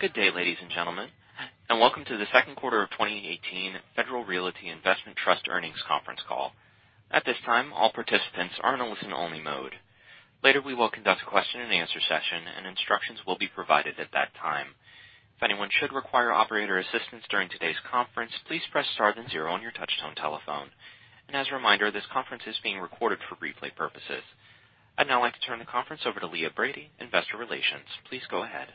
Good day, ladies and gentlemen, welcome to the second quarter of 2018 Federal Realty Investment Trust earnings conference call. At this time, all participants are in a listen-only mode. Later, we will conduct a question and answer session. Instructions will be provided at that time. If anyone should require operator assistance during today's conference, please press star then zero on your touchtone telephone. As a reminder, this conference is being recorded for replay purposes. I'd now like to turn the conference over to Leah Brady, investor relations. Please go ahead.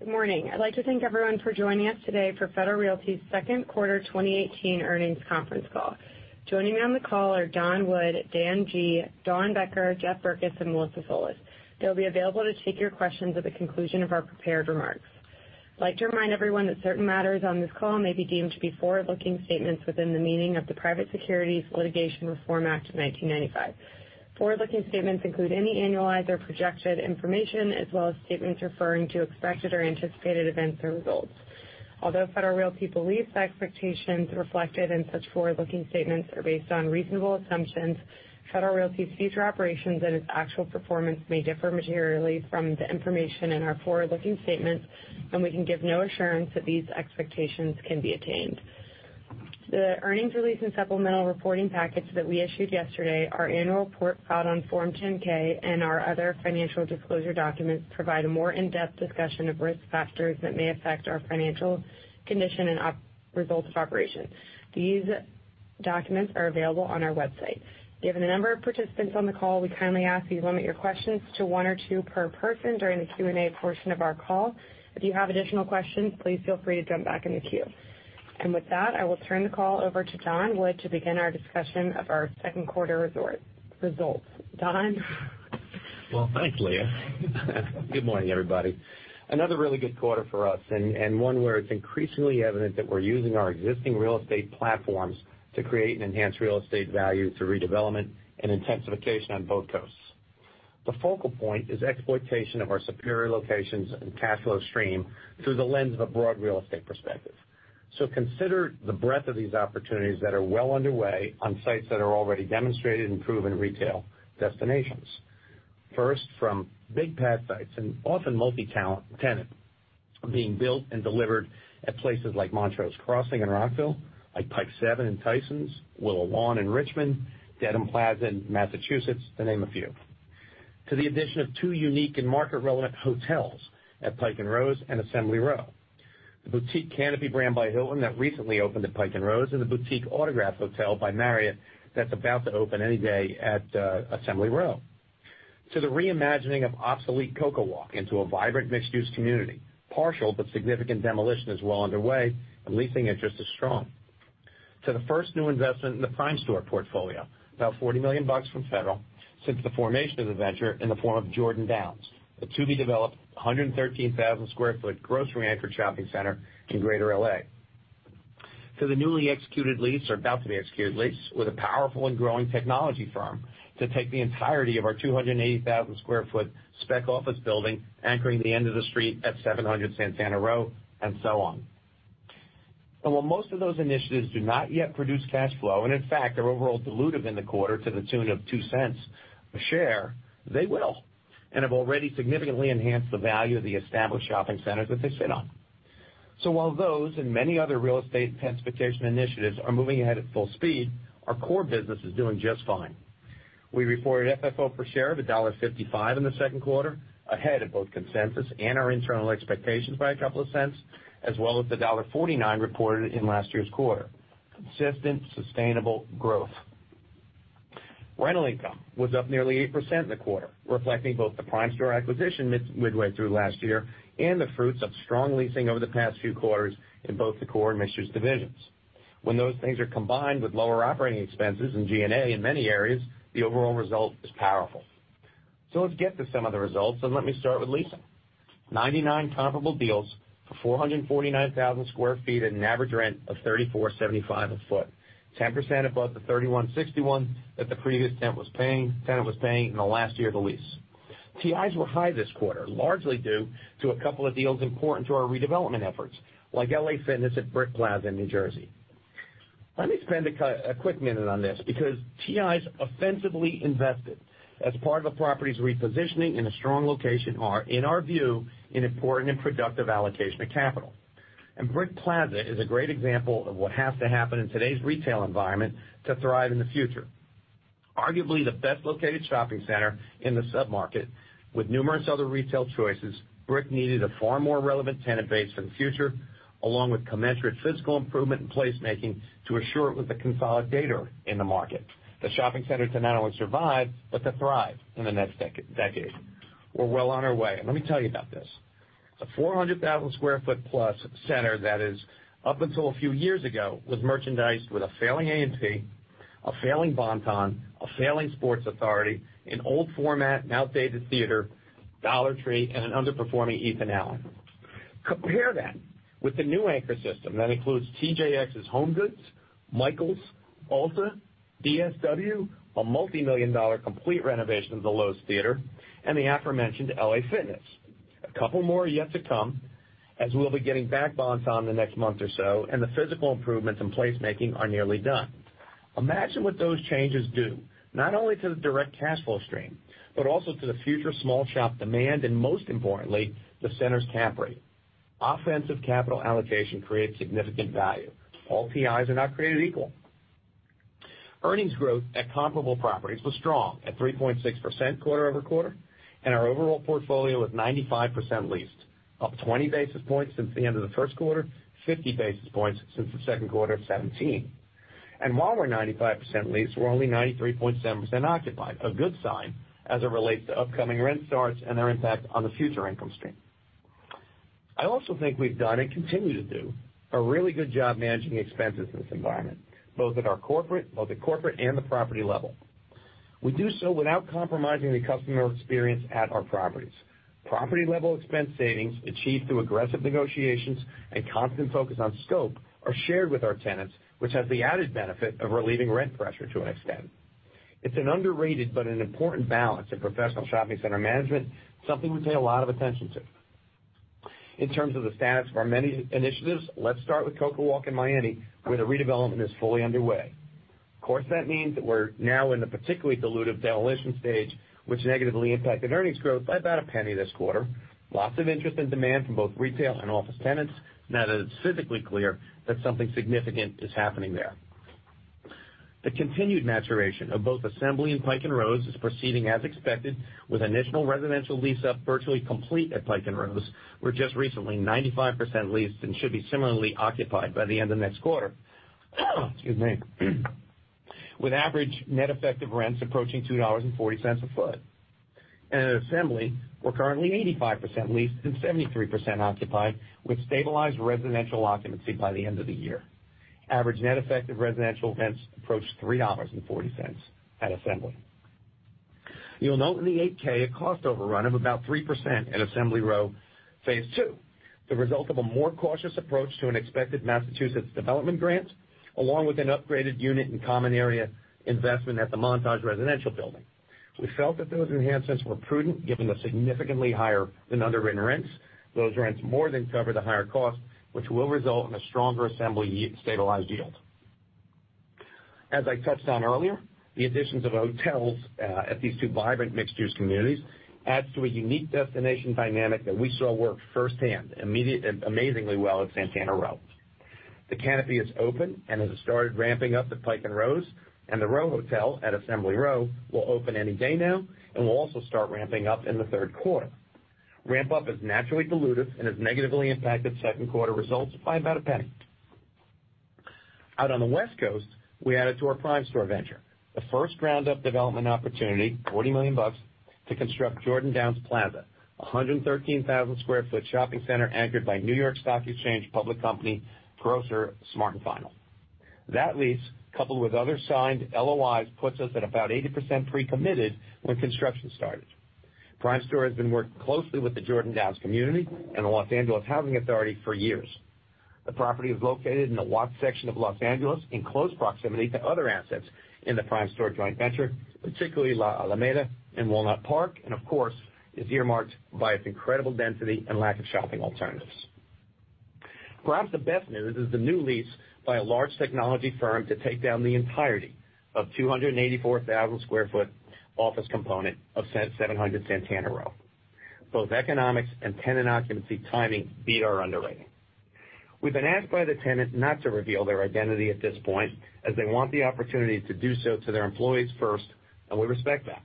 Good morning. I'd like to thank everyone for joining us today for Federal Realty's second quarter 2018 earnings conference call. Joining me on the call are Don Wood, Dan G., Dawn Becker, Jeff Berkes, and Melissa Solis. They'll be available to take your questions at the conclusion of our prepared remarks. I'd like to remind everyone that certain matters on this call may be deemed to be forward-looking statements within the meaning of the Private Securities Litigation Reform Act of 1995. Forward-looking statements include any annualized or projected information, as well as statements referring to expected or anticipated events or results. Although Federal Realty believes the expectations reflected in such forward-looking statements are based on reasonable assumptions, Federal Realty's future operations and its actual performance may differ materially from the information in our forward-looking statements. We can give no assurance that these expectations can be attained. The earnings release and supplemental reporting package that we issued yesterday, our annual report filed on Form 10-K, our other financial disclosure documents provide a more in-depth discussion of risk factors that may affect our financial condition and results of operations. These documents are available on our website. Given the number of participants on the call, we kindly ask that you limit your questions to one or two per person during the Q&A portion of our call. If you have additional questions, please feel free to jump back in the queue. With that, I will turn the call over to Don Wood to begin our discussion of our second quarter results. Don? Well, thanks, Leah. Good morning, everybody. Another really good quarter for us. One where it's increasingly evident that we're using our existing real estate platforms to create and enhance real estate value through redevelopment and intensification on both coasts. The focal point is exploitation of our superior locations and cash flow stream through the lens of a broad real estate perspective. Consider the breadth of these opportunities that are well underway on sites that are already demonstrated and proven retail destinations. First, from big pad sites and often multi-tenant, are being built and delivered at places like Montrose Crossing in Rockville, like Pike 7 in Tysons, Willow Lawn in Richmond, Dedham Plaza in Massachusetts, to name a few. To the addition of two unique and market-relevant hotels at Pike & Rose and Assembly Row. The boutique Canopy by Hilton that recently opened at Pike & Rose, the boutique Autograph Hotel by Marriott that is about to open any day at Assembly Row. To the re-imagining of obsolete CocoWalk into a vibrant mixed-use community. Partial but significant demolition is well underway, leasing interest is strong. To the first new investment in the Primestor portfolio, about $40 million from Federal since the formation of the venture in the form of Jordan Downs, the to-be-developed 113,000-square-foot grocery-anchored shopping center in Greater L.A. To the newly executed lease, or about to be executed lease, with a powerful and growing technology firm to take the entirety of our 280,000-square-foot spec office building anchoring the end of the street at 700 Santana Row, and so on. While most of those initiatives do not yet produce cash flow, and in fact, are overall dilutive in the quarter to the tune of $0.02 a share, they will, and have already significantly enhanced the value of the established shopping centers that they sit on. While those and many other real estate intensification initiatives are moving ahead at full speed, our core business is doing just fine. We reported FFO per share of $1.55 in the second quarter, ahead of both consensus and our internal expectations by $0.02, as well as the $1.49 reported in last year's quarter. Consistent, sustainable growth. Rental income was up nearly 8% in the quarter, reflecting both the Primestor acquisition midway through last year and the fruits of strong leasing over the past few quarters in both the core and mixed-use divisions. When those things are combined with lower operating expenses and G&A in many areas, the overall result is powerful. Let's get to some of the results, and let me start with leasing. 99 comparable deals for 449,000 sq ft at an average rent of $34.75 a foot, 10% above the $31.61 that the previous tenant was paying in the last year of the lease. TIs were high this quarter, largely due to a couple of deals important to our redevelopment efforts, like LA Fitness at Brick Plaza in New Jersey. Let me spend a quick minute on this, because TIs offensively invested as part of a property's repositioning in a strong location are, in our view, an important and productive allocation of capital. Brick Plaza is a great example of what has to happen in today's retail environment to thrive in the future. Arguably the best-located shopping center in the submarket with numerous other retail choices, Brick needed a far more relevant tenant base for the future, along with commensurate physical improvement and placemaking to assure it was the consolidator in the market, the shopping center to not only survive, but to thrive in the next decade. We are well on our way, and let me tell you about this. It is a 400,000 sq ft-plus center that is, up until a few years ago, was merchandised with a failing A&P, a failing Bon-Ton, a failing Sports Authority, an old format and outdated Loews Theatre, Dollar Tree, and an underperforming Ethan Allen. Compare that with the new anchor system that includes TJX's HomeGoods, Michaels, Ulta, DSW, a multimillion-dollar complete renovation of the Loews Theatre, and the aforementioned LA Fitness. A couple more are yet to come, as we'll be getting back Bon-Ton in the next month or so, and the physical improvements in placemaking are nearly done. Imagine what those changes do, not only to the direct cash flow stream, but also to the future small shop demand and most importantly, the center's cap rate. Offensive capital allocation creates significant value. All TIs are not created equal. Earnings growth at comparable properties was strong at 3.6% quarter-over-quarter, and our overall portfolio was 95% leased. Up 20 basis points since the end of the first quarter, 50 basis points since the second quarter of 2017. While we're 95% leased, we're only 93.7% occupied, a good sign as it relates to upcoming rent starts and their impact on the future income stream. I also think we've done and continue to do a really good job managing expenses in this environment, both at our corporate and the property level. We do so without compromising the customer experience at our properties. Property-level expense savings achieved through aggressive negotiations and constant focus on scope are shared with our tenants, which has the added benefit of relieving rent pressure to an extent. It's an underrated but an important balance in professional shopping center management, something we pay a lot of attention to. In terms of the status of our many initiatives, let's start with CocoWalk in Miami, where the redevelopment is fully underway. Of course, that means that we're now in the particularly dilutive demolition stage, which negatively impacted earnings growth by about $0.01 this quarter. Lots of interest and demand from both retail and office tenants now that it's physically clear that something significant is happening there. The continued maturation of both Assembly and Pike & Rose is proceeding as expected, with initial residential lease-up virtually complete at Pike & Rose. We're just recently 95% leased and should be similarly occupied by the end of next quarter. Excuse me. With average net effective rents approaching $2.40 a foot. At Assembly, we're currently 85% leased and 73% occupied, with stabilized residential occupancy by the end of the year. Average net effective residential rents approach $3.40 at Assembly. You'll note in the 8-K a cost overrun of about 3% at Assembly Row Phase 2, the result of a more cautious approach to an expected Massachusetts development grant, along with an upgraded unit and common area investment at the Montaje residential building. We felt that those enhancements were prudent given the significantly higher than underwritten rents. Those rents more than cover the higher cost, which will result in a stronger Assembly stabilized yield. As I touched on earlier, the additions of hotels at these two vibrant mixed-use communities adds to a unique destination dynamic that we saw work firsthand amazingly well at Santana Row. The Canopy is open and has started ramping up at Pike & Rose, and The Row Hotel at Assembly Row will open any day now and will also start ramping up in the third quarter. Ramp up is naturally dilutive and has negatively impacted second quarter results by about $0.01. Out on the West Coast, we added to our Primestor venture, the first ground-up development opportunity, $40 million, to construct Jordan Downs Plaza, 113,000 sq ft shopping center anchored by New York Stock Exchange public company grocer Smart & Final. That lease, coupled with other signed LOIs, puts us at about 80% pre-committed when construction started. Primestor has been working closely with the Jordan Downs community and the Los Angeles Housing Authority for years. The property is located in the Watts section of Los Angeles in close proximity to other assets in the Primestor joint venture, particularly La Alameda and Walnut Park, and of course, is earmarked by its incredible density and lack of shopping alternatives. Perhaps the best news is the new lease by a large technology firm to take down the entirety of 284,000 sq ft office component of 700 Santana Row. Both economics and tenant occupancy timing beat our underwriting. We've been asked by the tenant not to reveal their identity at this point, as they want the opportunity to do so to their employees first, and we respect that.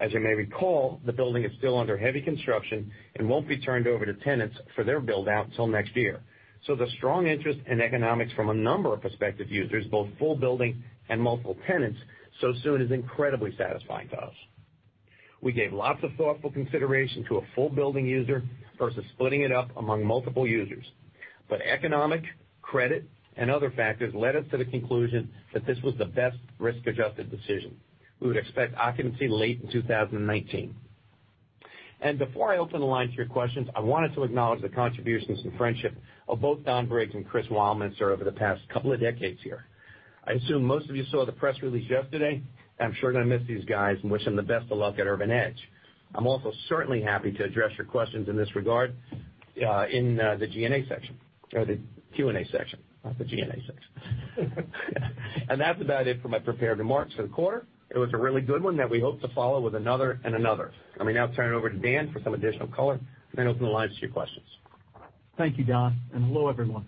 As you may recall, the building is still under heavy construction and won't be turned over to tenants for their build-out till next year. The strong interest in economics from a number of prospective users, both full building and multiple tenants, so soon is incredibly satisfying to us. We gave lots of thoughtful consideration to a full building user versus splitting it up among multiple users. Economic, credit, and other factors led us to the conclusion that this was the best risk-adjusted decision. We would expect occupancy late in 2019. Before I open the line to your questions, I wanted to acknowledge the contributions and friendship of both Don Briggs and Chris Weilminster over the past couple of decades here. I assume most of you saw the press release yesterday. I'm sure going to miss these guys and wish them the best of luck at Urban Edge. I'm also certainly happy to address your questions in this regard in the G&A section, or the Q&A section, not the G&A section. That's about it for my prepared remarks for the quarter. It was a really good one that we hope to follow with another and another. Let me now turn it over to Dan for some additional color, then open the lines to your questions. Thank you, Don, and hello, everyone.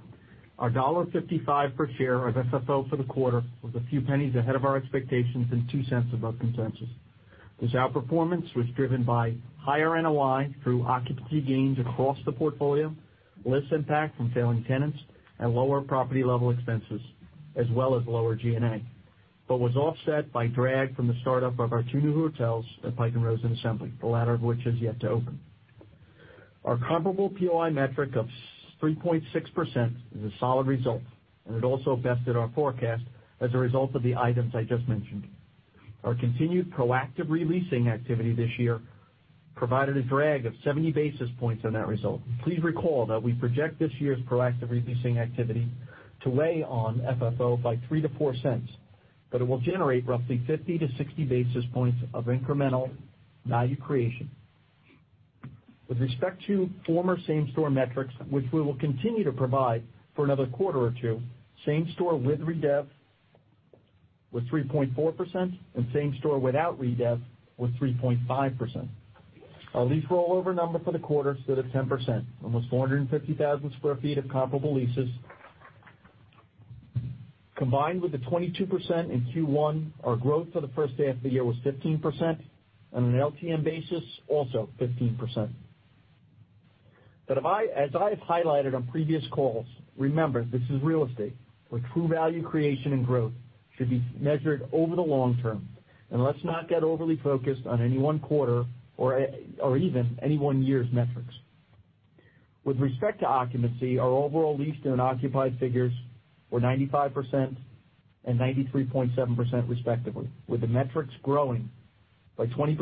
Our $1.55 per share of FFO for the quarter was a few pennies ahead of our expectations and $0.02 above consensus. This outperformance was driven by higher NOI through occupancy gains across the portfolio, less impact from failing tenants, and lower property-level expenses as well as lower G&A, but was offset by drag from the start-up of our two new hotels at Pike & Rose and Assembly, the latter of which is yet to open. Our comparable POI metric of 3.6% is a solid result, and it also bested our forecast as a result of the items I just mentioned. Our continued proactive re-leasing activity this year provided a drag of 70 basis points on that result. Please recall that we project this year's proactive re-leasing activity to weigh on FFO by $0.03-$0.04. It will generate roughly 50 to 60 basis points of incremental value creation. With respect to former same-store metrics, which we will continue to provide for another quarter or two, same-store with redev was 3.4%, and same-store without redev was 3.5%. Our lease rollover number for the quarter stood at 10%, almost 450,000 square feet of comparable leases. Combined with the 22% in Q1, our growth for the first half of the year was 15%, on an LTM basis, also 15%. As I have highlighted on previous calls, remember, this is real estate, where true value creation and growth should be measured over the long term, and let's not get overly focused on any one quarter or even any one year's metrics. With respect to occupancy, our overall leased and occupied figures were 95% and 93.7% respectively, with the metrics growing by 20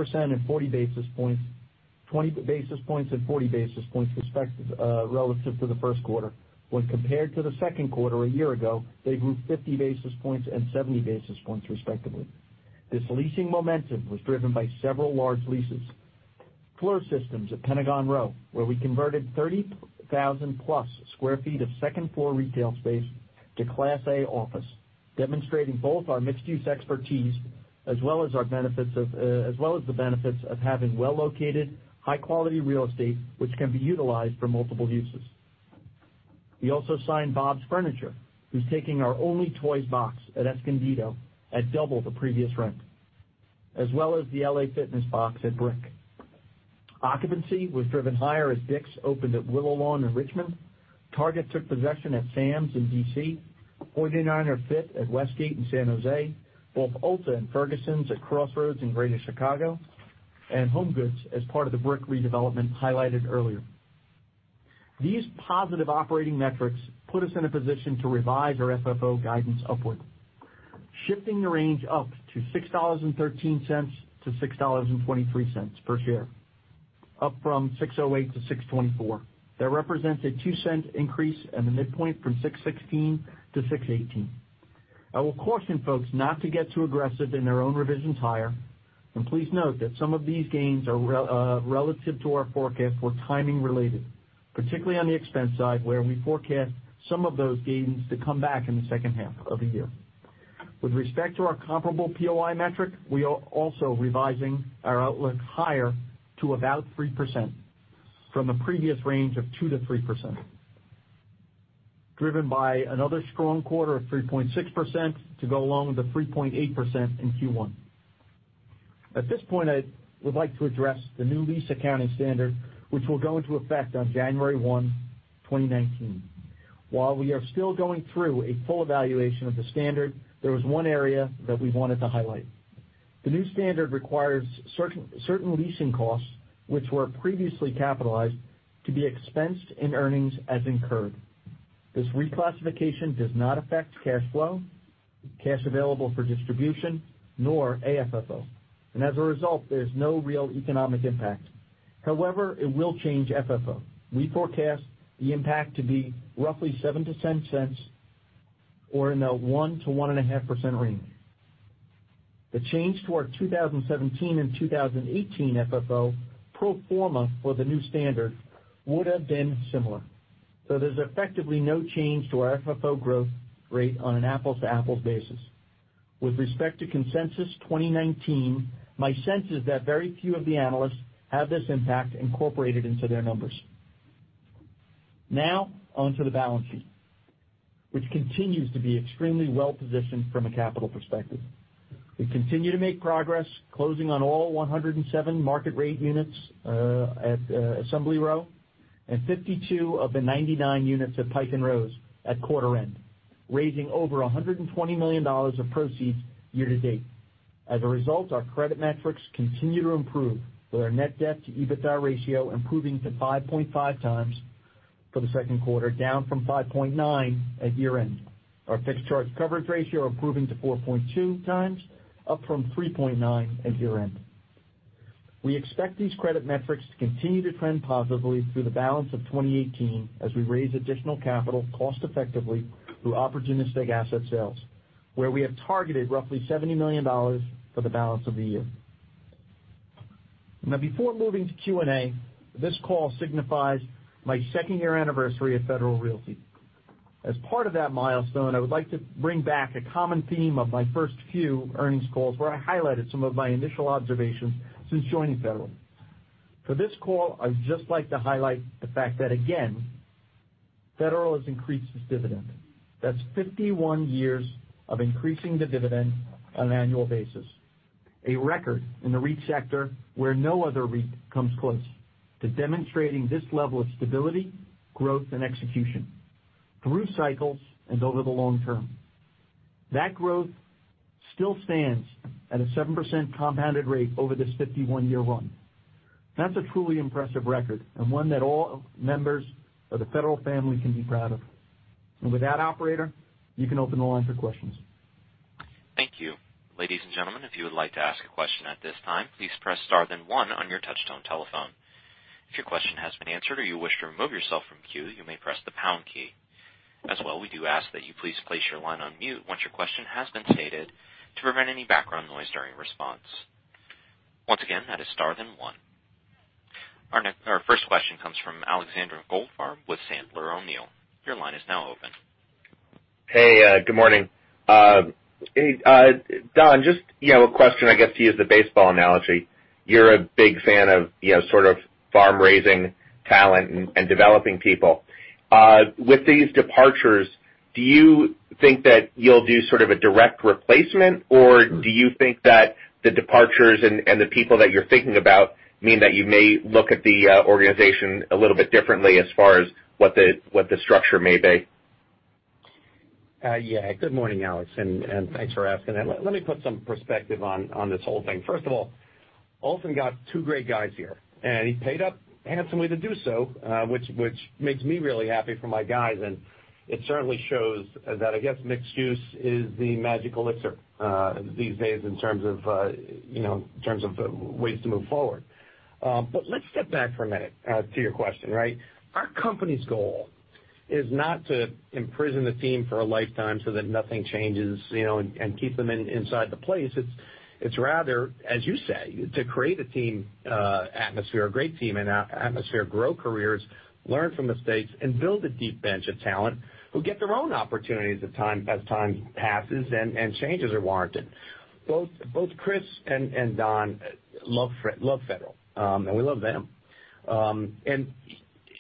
basis points and 40 basis points respectively, relative to the first quarter. When compared to the second quarter a year ago, they grew 50 basis points and 70 basis points respectively. This leasing momentum was driven by several large leases. FLIR Systems at Pentagon Row, where we converted 30,000-plus square feet of second-floor retail space to Class A office, demonstrating both our mixed-use expertise as well as the benefits of having well-located, high-quality real estate which can be utilized for multiple uses. We also signed Bob's Furniture, who's taking our only Toys "R" Us box at Escondido at double the previous rent, as well as the LA Fitness box at Brick. Occupancy was driven higher as Dick's opened at Willow Lawn in Richmond, Target took possession at Sam's in D.C., 49ers Fit at Westgate in San Jose, both Ulta and Ferguson's at Crossroads in Greater Chicago, and HomeGoods as part of the Brick redevelopment highlighted earlier. These positive operating metrics put us in a position to revise our FFO guidance upward, shifting the range up to $6.13-$6.23 per share, up from $6.08-$6.24. That represents a $0.02 increase at the midpoint from $6.16-$6.18. I will caution folks not to get too aggressive in their own revisions higher, and please note that some of these gains are relative to our forecast were timing related, particularly on the expense side, where we forecast some of those gains to come back in the second half of the year. With respect to our comparable POI metric, we are also revising our outlook higher to about 3% from the previous range of 2%-3%, driven by another strong quarter of 3.6% to go along with the 3.8% in Q1. At this point, I would like to address the new lease accounting standard, which will go into effect on January 1, 2019. While we are still going through a full evaluation of the standard, there was one area that we wanted to highlight. The new standard requires certain leasing costs, which were previously capitalized, to be expensed in earnings as incurred. This reclassification does not affect cash flow, cash available for distribution, nor AFFO. As a result, there's no real economic impact. However, it will change FFO. We forecast the impact to be roughly $0.07-$0.10, or in the 1%-1.5% range. The change to our 2017 and 2018 FFO pro forma for the new standard would've been similar. There's effectively no change to our FFO growth rate on an apples-to-apples basis. With respect to consensus 2019, my sense is that very few of the analysts have this impact incorporated into their numbers. On to the balance sheet, which continues to be extremely well-positioned from a capital perspective. We continue to make progress closing on all 107 market rate units at Assembly Row and 52 of the 99 units at Pike & Rose at quarter end, raising over $120 million of proceeds year to date. As a result, our credit metrics continue to improve, with our net debt to EBITDA ratio improving to 5.5 times for the second quarter, down from 5.9 at year end. Our fixed charge coverage ratio improving to 4.2 times, up from 3.9 at year end. We expect these credit metrics to continue to trend positively through the balance of 2018 as we raise additional capital cost-effectively through opportunistic asset sales, where we have targeted roughly $70 million for the balance of the year. Before moving to Q&A, this call signifies my second-year anniversary at Federal Realty. As part of that milestone, I would like to bring back a common theme of my first few earnings calls, where I highlighted some of my initial observations since joining Federal. For this call, I'd just like to highlight the fact that, again, Federal has increased its dividend. That's 51 years of increasing the dividend on an annual basis, a record in the REIT sector where no other REIT comes close to demonstrating this level of stability, growth, and execution through cycles and over the long term. That growth still stands at a 7% compounded rate over this 51-year run. That's a truly impressive record, and one that all members of the Federal family can be proud of. With that, operator, you can open the line for questions. Thank you. Ladies and gentlemen, if you would like to ask a question at this time, please press star then one on your touch-tone telephone. If your question has been answered or you wish to remove yourself from queue, you may press the pound key. As well, we do ask that you please place your line on mute once your question has been stated to prevent any background noise during response. Once again, that is star then one. Our first question comes from Alexander Goldfarb with Sandler O'Neill. Your line is now open. Hey, good morning. Hey, Don, just a question, I guess, to use the baseball analogy. You are a big fan of farm-raising talent and developing people. With these departures, do you think that you will do sort of a direct replacement, or do you think that the departures and the people that you are thinking about mean that you may look at the organization a little bit differently as far as what the structure may be? Good morning, Alex, and thanks for asking that. Let me put some perspective on this whole thing. First of all, Olson got two great guys here, and he paid up handsomely to do so, which makes me really happy for my guys. It certainly shows that, I guess, Mixed Use is the magic elixir these days in terms of ways to move forward. Let us step back for a minute to your question. Our company's goal is not to imprison the team for a lifetime so that nothing changes, and keep them inside the place. It is rather, as you say, to create a team atmosphere, a great team and atmosphere, grow careers, learn from mistakes, and build a deep bench of talent who get their own opportunities as time passes and changes are warranted. Both Chris and Don love Federal, and we love them.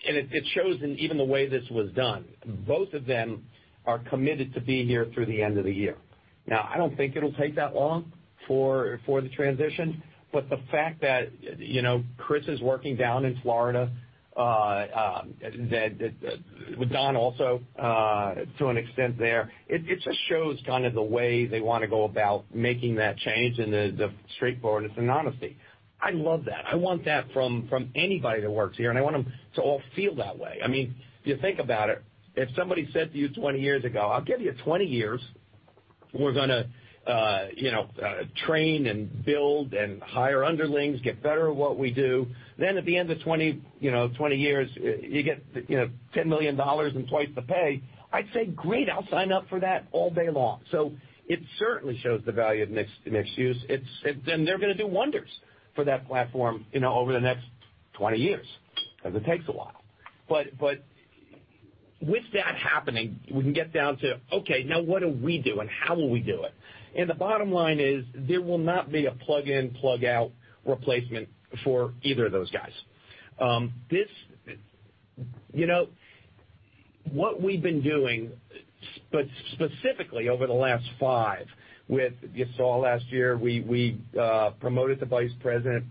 It shows in even the way this was done. Both of them are committed to being here through the end of the year. I do not think it will take that long for the transition, but the fact that Chris is working down in Florida, with Don also to an extent there, it just shows kind of the way they want to go about making that change and the straightforwardness and honesty. I love that. I want that from anybody that works here, and I want them to all feel that way. If you think about it, if somebody said to you 20 years ago, "I will give you 20 years. We are going to train and build and hire underlings, get better at what we do. At the end of 20 years, you get $10 million and twice the pay." I'd say, "Great, I'll sign up for that all day long." It certainly shows the value of mixed use. They're going to do wonders for that platform over the next 20 years, because it takes a while. With that happening, we can get down to, okay, now what do we do and how will we do it? The bottom line is there will not be a plug-in, plug-out replacement for either of those guys. What we've been doing specifically over the last five, you saw last year, we promoted the Vice President,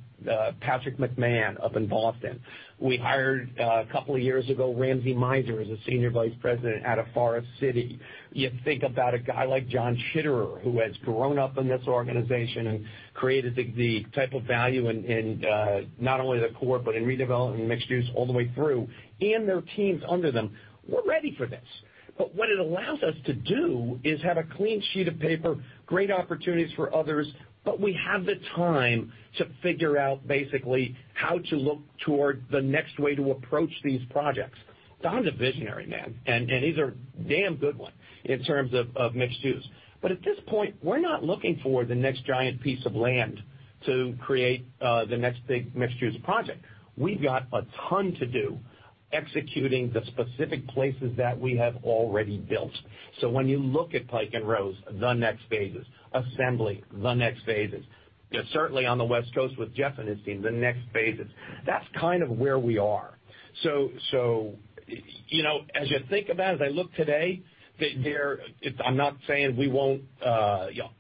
Patrick McMahon, up in Boston. We hired, a couple of years ago, Ramsey Meiser as a Senior Vice President out of Forest City. You think about a guy like John Tschiderer, who has grown up in this organization and created the type of value in not only the core but in redeveloping mixed use all the way through, and their teams under them. We're ready for this. What it allows us to do is have a clean sheet of paper, great opportunities for others, but we have the time to figure out basically how to look toward the next way to approach these projects. Don's a visionary, man, and he's a damn good one in terms of mixed use. At this point, we're not looking for the next giant piece of land to create the next big mixed-use project. We've got a ton to do executing the specific places that we have already built. When you look at Pike & Rose, the next phases; Assembly, the next phases. Certainly on the West Coast with Jeff and his team, the next phases. That's kind of where we are. As you think about it, as I look today, I'm not saying we won't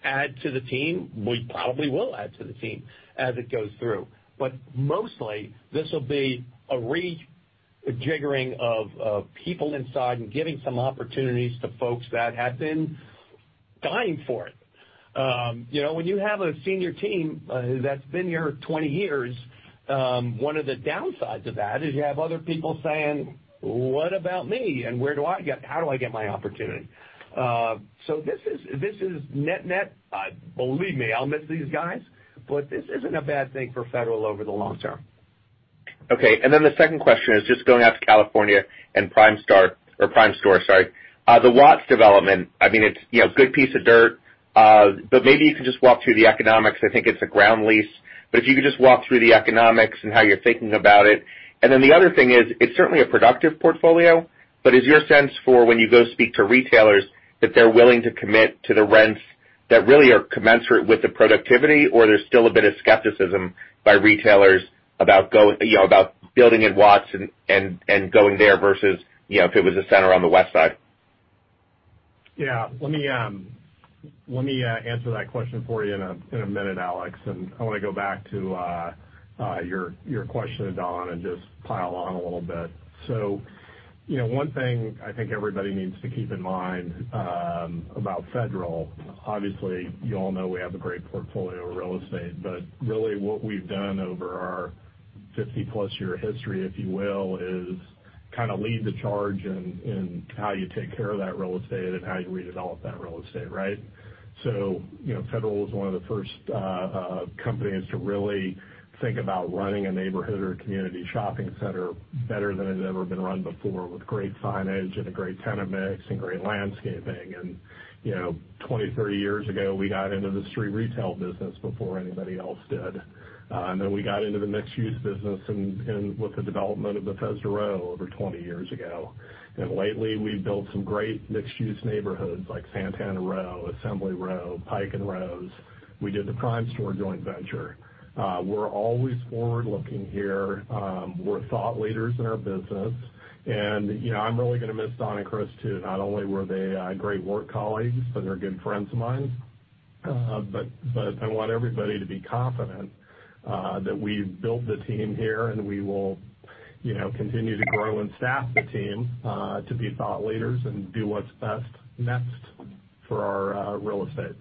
add to the team. We probably will add to the team as it goes through. Mostly, this will be a rejiggering of people inside and giving some opportunities to folks that have been dying for it. When you have a senior team that's been here 20 years, one of the downsides of that is you have other people saying, "What about me and how do I get my opportunity?" This is net. Believe me, I'll miss these guys, but this isn't a bad thing for Federal over the long term. Okay. The second question is just going out to California and Primestor, sorry. The Watts development, it's a good piece of dirt. Maybe you can just walk through the economics. I think it's a ground lease, but if you could just walk through the economics and how you're thinking about it. The other thing is, it's certainly a productive portfolio, but is your sense for when you go speak to retailers, that they're willing to commit to the rents that really are commensurate with the productivity? Or there's still a bit of skepticism by retailers about building in Watts and going there versus if it was a center on the West Side? Yeah. Let me answer that question for you in a minute, Alex, I want to go back to your question to Don and just pile on a little bit. One thing I think everybody needs to keep in mind about Federal, obviously you all know we have a great portfolio of real estate, but really what we've done over our 50-plus year history, if you will, is kind of lead the charge in how you take care of that real estate and how you redevelop that real estate, right? Federal was one of the first companies to really think about running a neighborhood or community shopping center better than it had ever been run before, with great signage and a great tenant mix and great landscaping. 20, 30 years ago, we got into the street retail business before anybody else did. We got into the mixed-use business with the development of Bethesda Row over 20 years ago. Lately, we've built some great mixed-use neighborhoods like Santana Row, Assembly Row, Pike & Rose. We did the Primestor joint venture. We're always forward-looking here. We're thought leaders in our business. I'm really going to miss Don and Chris too. Not only were they great work colleagues, but they're good friends of mine. I want everybody to be confident that we've built the team here, and we will continue to grow and staff the team to be thought leaders and do what's best next for our real estate.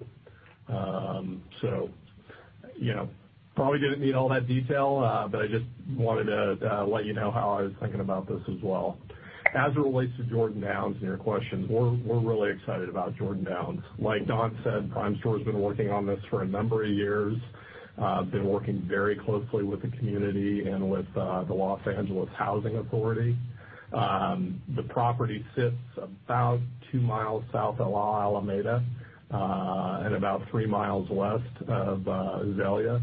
Probably didn't need all that detail, but I just wanted to let you know how I was thinking about this as well. As it relates to Jordan Downs and your question, we're really excited about Jordan Downs. Like Don said, Primestor has been working on this for a number of years. Been working very closely with the community and with the Los Angeles Housing Authority. The property sits about two miles south of La Alameda, and about three miles west of Azalea,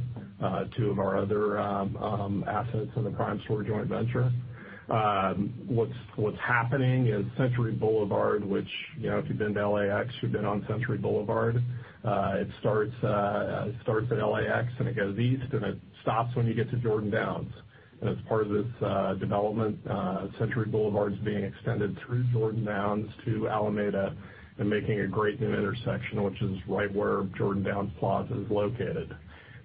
two of our other assets in the Primestor joint venture. What's happening is Century Boulevard, which, if you've been to LAX, you've been on Century Boulevard. It starts at LAX, and it goes east, and it stops when you get to Jordan Downs. As part of this development, Century Boulevard is being extended through Jordan Downs to Alameda and making a great new intersection, which is right where Jordan Downs Plaza is located.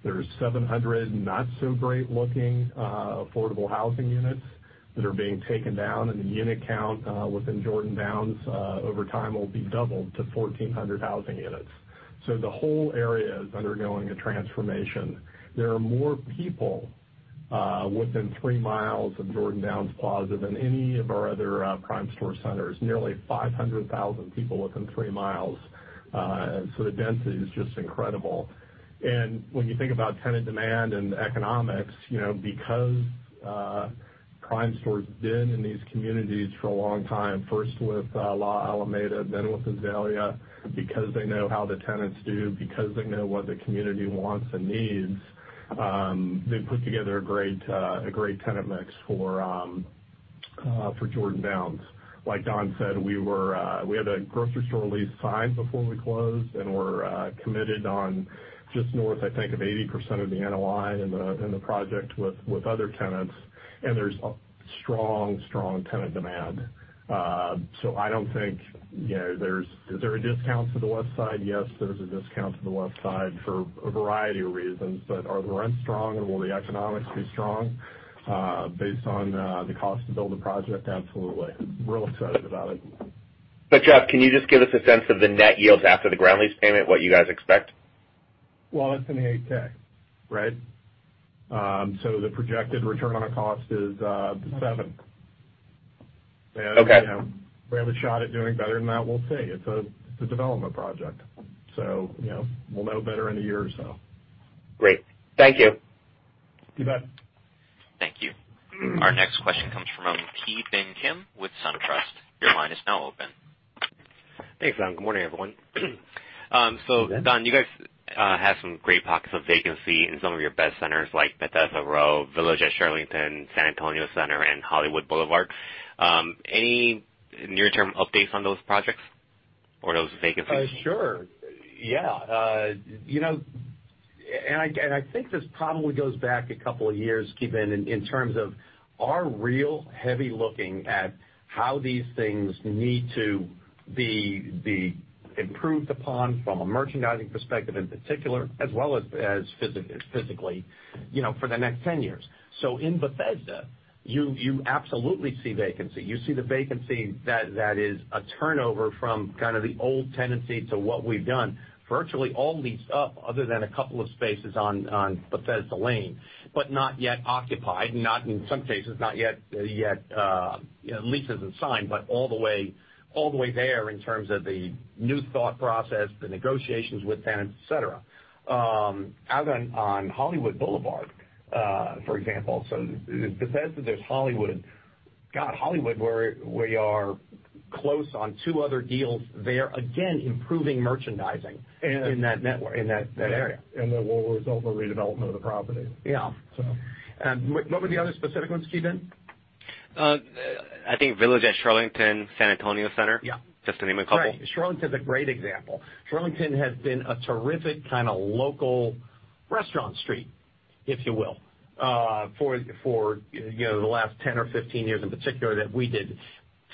There's 700 not-so-great-looking affordable housing units that are being taken down, and the unit count within Jordan Downs over time will be doubled to 1,400 housing units. The whole area is undergoing a transformation. There are more people within three miles of Jordan Downs Plaza than any of our other Primestor centers, nearly 500,000 people within three miles. The density is just incredible. When you think about tenant demand and economics, because Primestor's been in these communities for a long time, first with La Alameda, then with Azalea, because they know how the tenants do, because they know what the community wants and needs, they put together a great tenant mix for Jordan Downs. Like Don said, we had a grocery store lease signed before we closed, and we're committed on just north, I think, of 80% of the NOI in the project with other tenants, and there's a strong tenant demand. Is there a discount to the west side? Yes, there's a discount to the west side for a variety of reasons. Are the rents strong, and will the economics be strong based on the cost to build the project? Absolutely. Real excited about it. Jeff, can you just give us a sense of the net yields after the ground lease payment, what you guys expect? That's in the 8-K, right? The projected return on our cost is seven. Okay. If we have a shot at doing better than that, we'll see. It's a development project. We'll know better in a year or so. Great. Thank you. You bet. Thank you. Our next question comes from Ki Bin Kim with SunTrust. Your line is now open. Thanks, Don. Good morning, everyone. Good morning. Don, you guys have some great pockets of vacancy in some of your best centers like Bethesda Row, Village at Shirlington, San Antonio Center, and Hollywood Boulevard. Any near-term updates on those projects or those vacancies? Sure, yeah. I think this probably goes back a couple of years, Ki Bin, in terms of our real heavy looking at how these things need to be improved upon from a merchandising perspective in particular, as well as physically, for the next 10 years. In Bethesda, you absolutely see vacancy. You see the vacancy that is a turnover from kind of the old tenancy to what we've done. Virtually all leased up other than a couple of spaces on Bethesda Lane, but not yet occupied. In some cases, not yet leases unsigned, but all the way there in terms of the new thought process, the negotiations with tenants, et cetera. Out on Hollywood Boulevard, for example. Bethesda, there's Hollywood. God, Hollywood, where we are close on two other deals there, again, improving merchandising in that area. That will result in the redevelopment of the property. Yeah. So. What were the other specific ones, Ki Bin? I think Village at Shirlington, San Antonio Center. Yeah. Just to name a couple. Right. Shirlington's a great example. Shirlington has been a terrific kind of local restaurant street, if you will, for the last 10 or 15 years in particular that we did.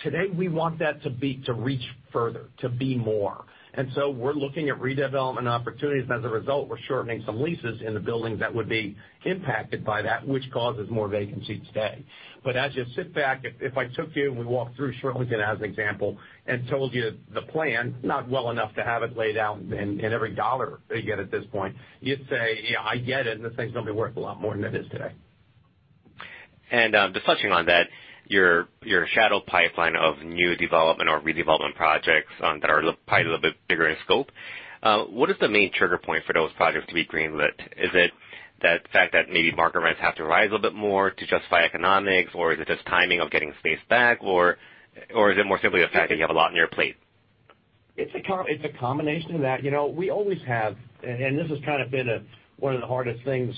Today, we want that to reach further, to be more. So we're looking at redevelopment opportunities, and as a result, we're shortening some leases in the buildings that would be impacted by that, which causes more vacancy today. As you sit back, if I took you and we walked through Shirlington as an example and told you the plan, not well enough to have it laid out in every dollar yet at this point, you'd say, "Yeah, I get it, and this thing's going to be worth a lot more than it is today. Touching on that, your shadow pipeline of new development or redevelopment projects that are probably a little bit bigger in scope. What is the main trigger point for those projects to be green-lit? Is it that fact that maybe market rents have to rise a little bit more to justify economics, or is it just timing of getting space back, or is it more simply the fact that you have a lot on your plate? It's a combination of that. We always have, and this has kind of been one of the hardest things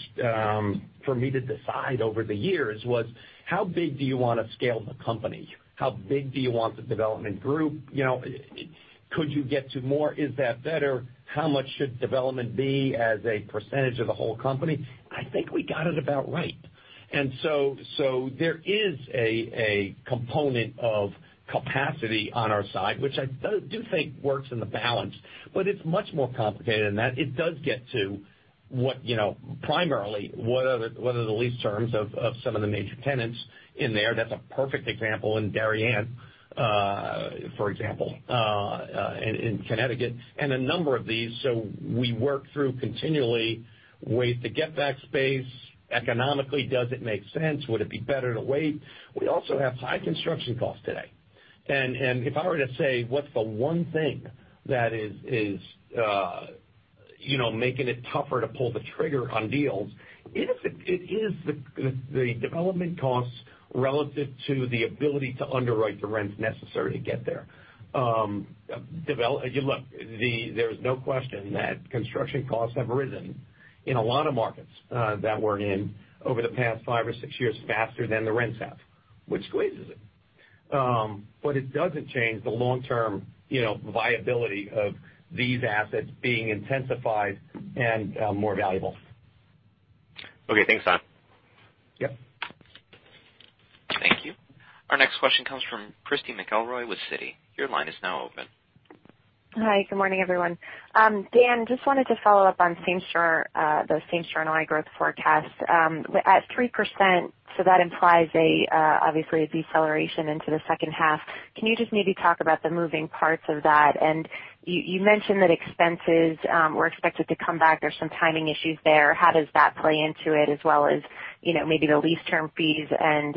for me to decide over the years was, how big do you want to scale the company? How big do you want the development group? Could you get to more? Is that better? How much should development be as a percentage of the whole company? I think we got it about right. There is a component of capacity on our side, which I do think works in the balance, but it's much more complicated than that. It does get to what, primarily, what are the lease terms of some of the major tenants in there. That's a perfect example in Darien, for example, in Connecticut, and a number of these. We work through continually ways to get back space economically. Does it make sense? Would it be better to wait? We also have high construction costs today. If I were to say, what's the one thing that is making it tougher to pull the trigger on deals, it is the development costs relative to the ability to underwrite the rents necessary to get there. Look, there's no question that construction costs have risen in a lot of markets that we're in over the past five or six years, faster than the rents have, which squeezes it. It doesn't change the long-term viability of these assets being intensified and more valuable. Okay. Thanks, Don. Yep. Thank you. Our next question comes from Christy McElroy with Citi. Your line is now open. Hi. Good morning, everyone. Dan, just wanted to follow up on the same-store NOI growth forecast. At 3%, that implies obviously a deceleration into the second half. Can you just maybe talk about the moving parts of that? You mentioned that expenses were expected to come back. There's some timing issues there. How does that play into it as well as maybe the lease term fees and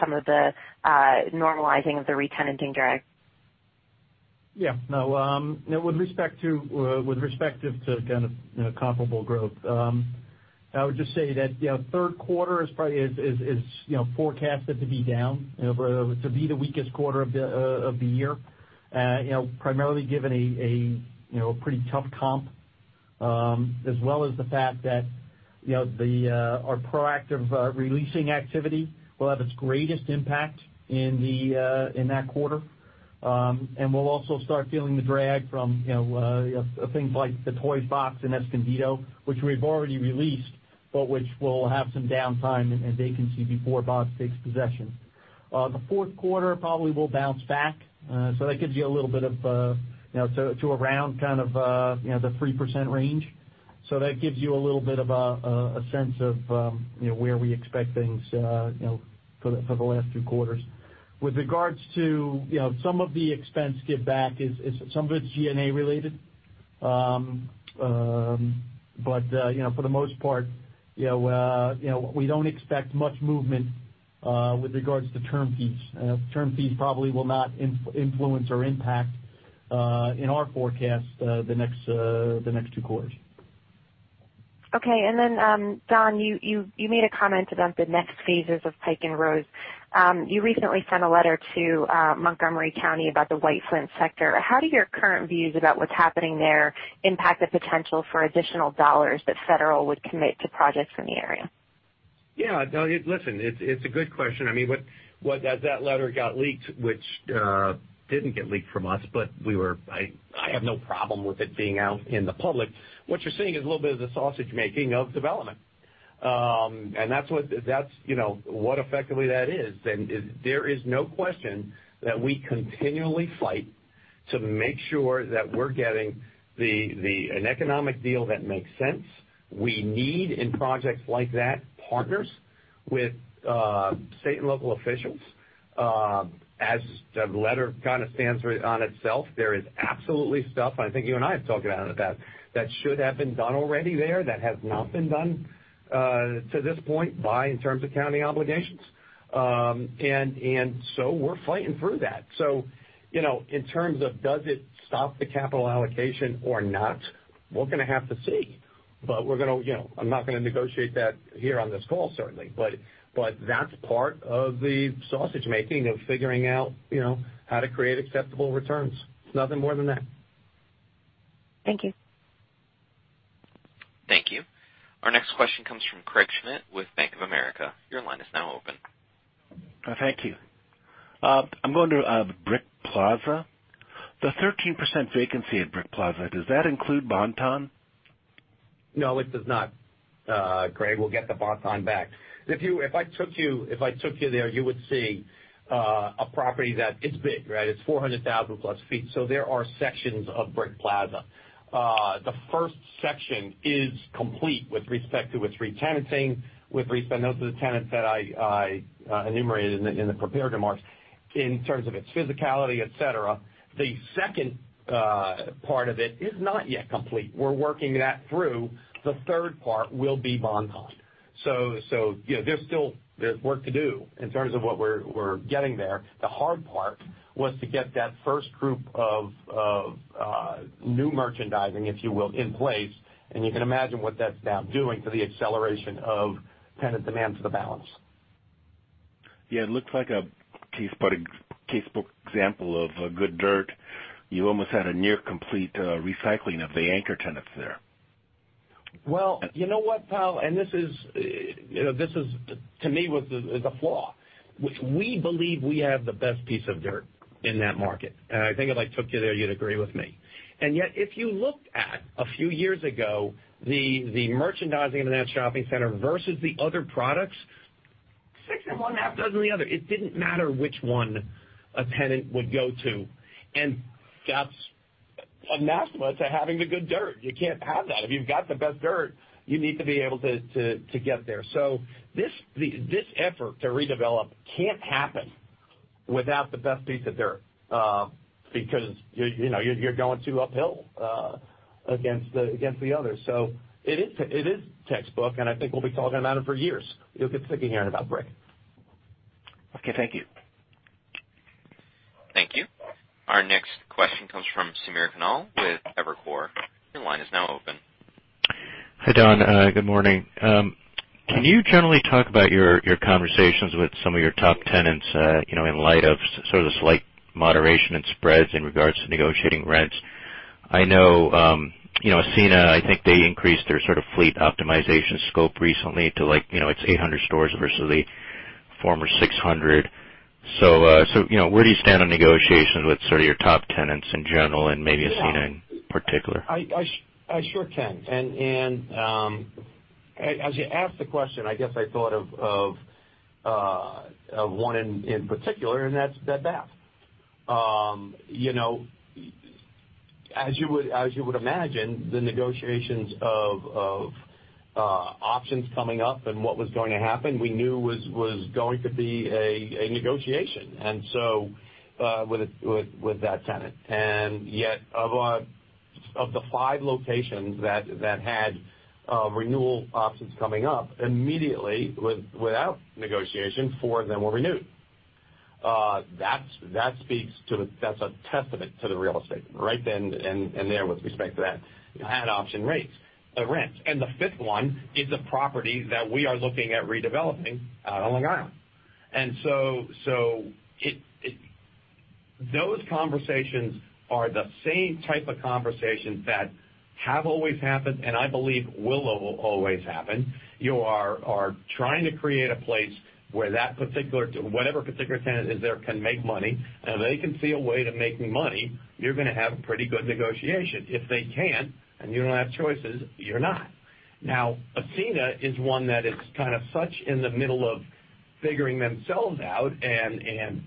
some of the normalizing of the re-tenanting drag? Yeah. No. With respect to kind of comparable growth, I would just say that third quarter is forecasted to be down, to be the weakest quarter of the year. Primarily given a pretty tough comp, as well as the fact that our proactive re-leasing activity will have its greatest impact in that quarter. We'll also start feeling the drag from things like the Toys Us in Escondido, which we've already leased, but which will have some downtime and vacancy before Bob's takes possession. The fourth quarter probably will bounce back. That gives you a little bit of, to around kind of the 3% range. That gives you a little bit of a sense of where we expect things for the last two quarters. With regards to some of the expense giveback is some of it's G&A related. For the most part, we don't expect much movement with regards to term fees. Term fees probably will not influence or impact in our forecast the next two quarters. Okay. Don, you made a comment about the next phases of Pike and Rose. You recently sent a letter to Montgomery County about the White Flint sector. How do your current views about what's happening there impact the potential for additional $ that Federal would commit to projects in the area? Yeah. No, listen, it's a good question. That letter got leaked, which didn't get leaked from us, but I have no problem with it being out in the public. What you're seeing is a little bit of the sausage-making of development. That's what effectively that is. There is no question that we continually fight to make sure that we're getting an economic deal that makes sense. We need, in projects like that, partners with state and local officials. As the letter kind of stands on itself, there is absolutely stuff, I think you and I have talked about it, that should have been done already there that has not been done to this point by in terms of county obligations. We're fighting through that. In terms of does it stop the capital allocation or not, we're going to have to see. I'm not going to negotiate that here on this call, certainly. That's part of the sausage-making of figuring out how to create acceptable returns. It's nothing more than that. Thank you. Thank you. Our next question comes from Craig Schmidt with Bank of America. Your line is now open. Thank you. I'm going to Brick Plaza. The 13% vacancy at Brick Plaza, does that include Bon-Ton? No, it does not. Craig, we'll get the Bon-Ton back. If I took you there, you would see a property that it's big, right? It's 400,000-plus feet. There are sections of Brick Plaza. The first section is complete with respect to its re-tenanting. Those are the tenants that I enumerated in the prepared remarks in terms of its physicality, et cetera. The second part of it is not yet complete. We're working that through. The third part will be Bon-Ton. There's still work to do in terms of what we're getting there. The hard part was to get that first group of new merchandising, if you will, in place, you can imagine what that's now doing to the acceleration of tenant demand for the balance. Yeah, it looks like a case book example of a good dirt. You almost had a near complete recycling of the anchor tenants there. Well, you know what, Pal? This is, to me, was the flaw. We believe we have the best piece of dirt in that market. I think if I took you there, you'd agree with me. Yet, if you looked at, a few years ago, the merchandising in that shopping center versus the other products, six and one half dozen the other. It didn't matter which one a tenant would go to, and that's an anathema to having the good dirt. You can't have that. If you've got the best dirt, you need to be able to get there. This effort to redevelop can't happen without the best piece of dirt, because you're going too uphill, against the others. It is textbook, and I think we'll be talking about it for years. You'll get sick of hearing about Brick. Okay. Thank you. Thank you. Our next question comes from Samir Khanal with Evercore. Your line is now open. Hi, Don. Good morning. Can you generally talk about your conversations with some of your top tenants, in light of sort of the slight moderation in spreads in regards to negotiating rents? I know, Ascena, I think they increased their sort of fleet optimization scope recently to its 800 stores versus the former 600. Where do you stand on negotiations with sort of your top tenants in general and maybe Ascena in particular? I sure can. As you asked the question, I guess I thought of one in particular, and that's Bed Bath. As you would imagine, the negotiations of options coming up and what was going to happen, we knew was going to be a negotiation, with that tenant. Yet, of the five locations that had renewal options coming up, immediately, without negotiation, four of them were renewed. That's a testament to the real estate right then and there with respect to that. Had option rates, the rents. The fifth one is a property that we are looking at redeveloping out on Long Island. Those conversations are the same type of conversations that have always happened, and I believe will always happen. You are trying to create a place where that particular, whatever particular tenant is there, can make money, and if they can see a way to making money, you're going to have pretty good negotiation. If they can't, and you don't have choices, you're not. Now, Ascena is one that is kind of such in the middle of figuring themselves out and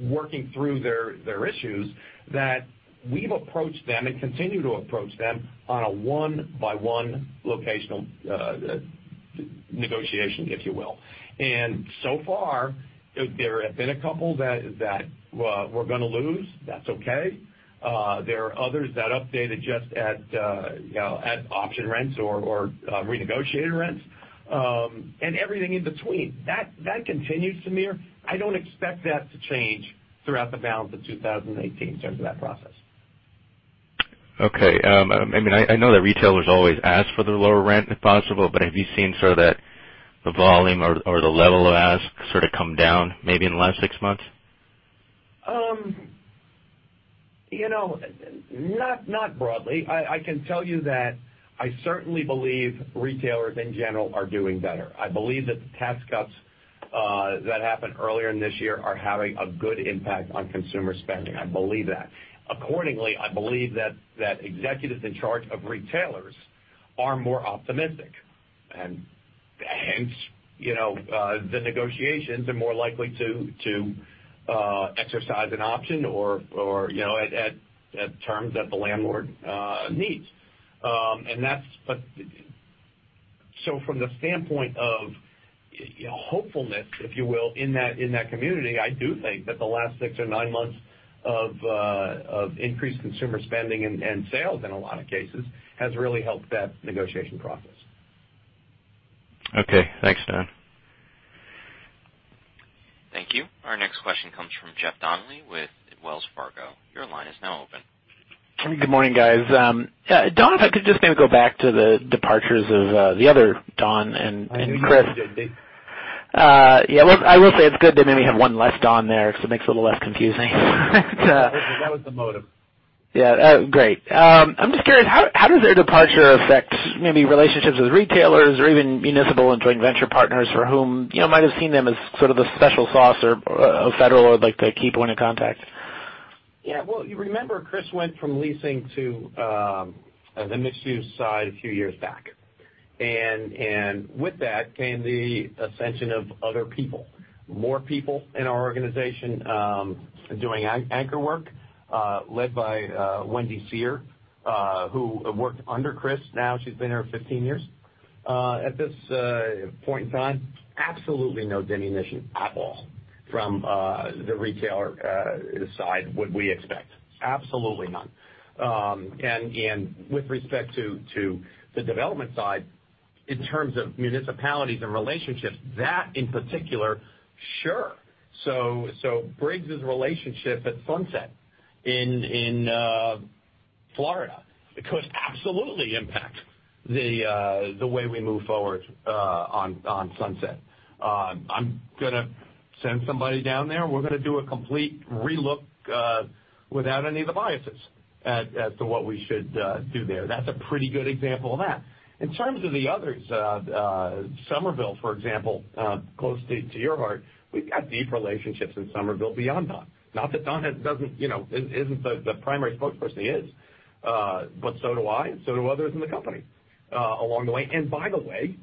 working through their issues that we've approached them and continue to approach them on a one-by-one locational negotiation, if you will. So far, there have been a couple that we're going to lose. That's okay. There are others that updated just at option rents or renegotiated rents, and everything in between. That continues, Samir. I don't expect that to change throughout the balance of 2018 in terms of that process. Okay. I know that retailers always ask for the lower rent if possible, have you seen sort of that the volume or the level of ask sort of come down maybe in the last six months? Not broadly. I can tell you that I certainly believe retailers in general are doing better. I believe that the tax cuts that happened earlier in this year are having a good impact on consumer spending. I believe that. Accordingly, I believe that executives in charge of retailers are more optimistic, the negotiations are more likely to exercise an option or at terms that the landlord needs. From the standpoint of hopefulness, if you will, in that community, I do think that the last six or nine months of increased consumer spending and sales in a lot of cases has really helped that negotiation process. Okay. Thanks, Don. Thank you. Our next question comes from Jeffrey Donnelly with Wells Fargo. Your line is now open. Good morning, guys. Don, if I could just maybe go back to the departures of the other Don and Chris. I think you did, indeed. Yeah, well, I will say it's good they made me have one less Don there because it makes it a little less confusing. That was the motive. Yeah. Great. I'm just curious, how does their departure affect maybe relationships with retailers or even municipal and joint venture partners for whom might have seen them as sort of the special sauce or a Federal would like to keep one in contact? Yeah. Well, you remember Chris went from leasing to the mixed-use side a few years back. With that came the ascension of other people, more people in our organization, doing anchor work, led by Wendy Seher, who worked under Chris. Now she's been here 15 years. At this point in time, absolutely no diminution at all. From the retailer side would we expect? Absolutely none. With respect to the development side, in terms of municipalities and relationships, that in particular, sure. Briggs's relationship at Sunset in Florida could absolutely impact the way we move forward on Sunset. I'm going to send somebody down there. We're going to do a complete relook without any of the biases as to what we should do there. That's a pretty good example of that. In terms of the others, Somerville, for example, close to your heart, we've got deep relationships in Somerville beyond Don. Not that Don isn't the primary spokesperson. He is. So do I, and so do others in the company along the way. By the way,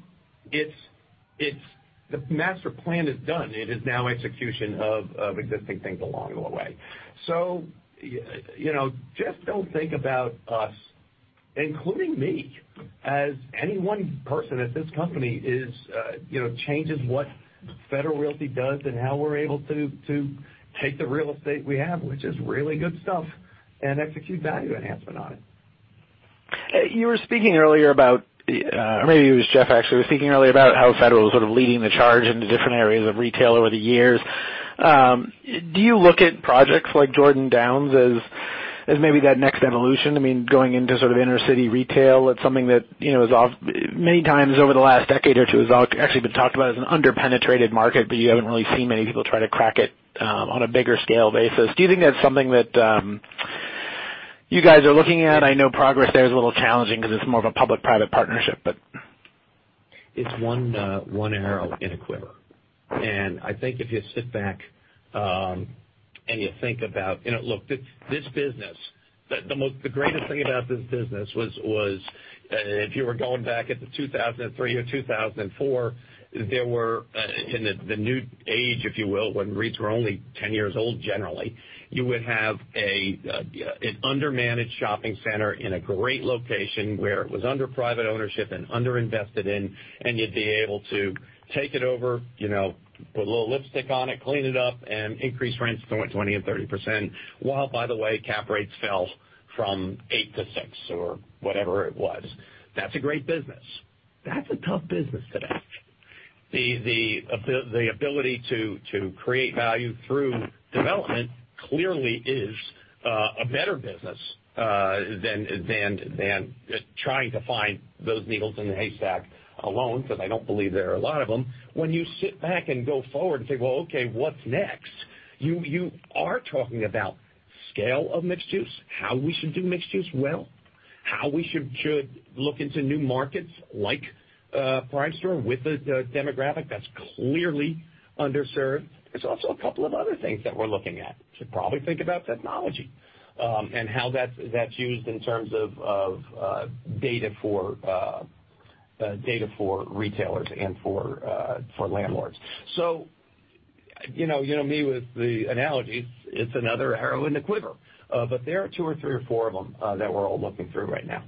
the master plan is done. It is now execution of existing things along the way. Just don't think about us, including me, as any one person at this company changes what Federal Realty does and how we're able to take the real estate we have, which is really good stuff, and execute value enhancement on it. You were speaking earlier about, or maybe it was Jeff, actually, was speaking earlier about how Federal is sort of leading the charge into different areas of retail over the years. Do you look at projects like Jordan Downs as maybe that next evolution? I mean, going into sort of inner-city retail, that's something that, many times over the last decade or two, has actually been talked about as an under-penetrated market, but you haven't really seen many people try to crack it on a bigger scale basis. Do you think that's something that you guys are looking at? I know progress there is a little challenging because it's more of a public-private partnership. It's one arrow in a quiver. I think if you sit back and you think about. Look, the greatest thing about this business was, if you were going back into 2003 or 2004, in the new age, if you will, when REITs were only 10 years old, generally, you would have an undermanaged shopping center in a great location where it was under private ownership and under-invested in, and you'd be able to take it over, put a little lipstick on it, clean it up, and increase rents 20% and 30%, while, by the way, cap rates fell from eight to six or whatever it was. That's a great business. That's a tough business today. The ability to create value through development clearly is a better business than trying to find those needles in the haystack alone, because I don't believe there are a lot of them. When you sit back and go forward and say, "Well, okay, what's next?" You are talking about scale of mixed use, how we should do mixed use well, how we should look into new markets like Primestor with a demographic that's clearly underserved. There's also a couple of other things that we're looking at. Should probably think about technology and how that's used in terms of data for retailers and for landlords. You know me with the analogies, it's another arrow in the quiver. There are two or three or four of them that we're all looking through right now.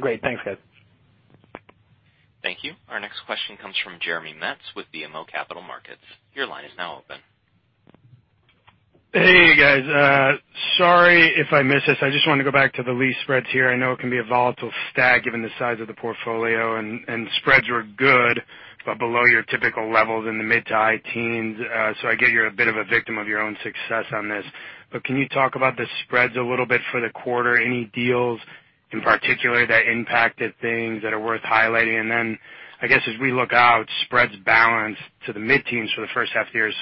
Great. Thanks, guys. Thank you. Our next question comes from Jeremy Metz with BMO Capital Markets. Your line is now open. Hey, guys. Sorry if I missed this. I just want to go back to the lease spreads here. I know it can be a volatile stat given the size of the portfolio, and spreads were good, but below your typical levels in the mid- to high-teens. I get you're a bit of a victim of your own success on this. Can you talk about the spreads a little bit for the quarter? Any deals in particular that impacted things that are worth highlighting? Then I guess as we look out, spreads balanced to the mid-teens for the first half year,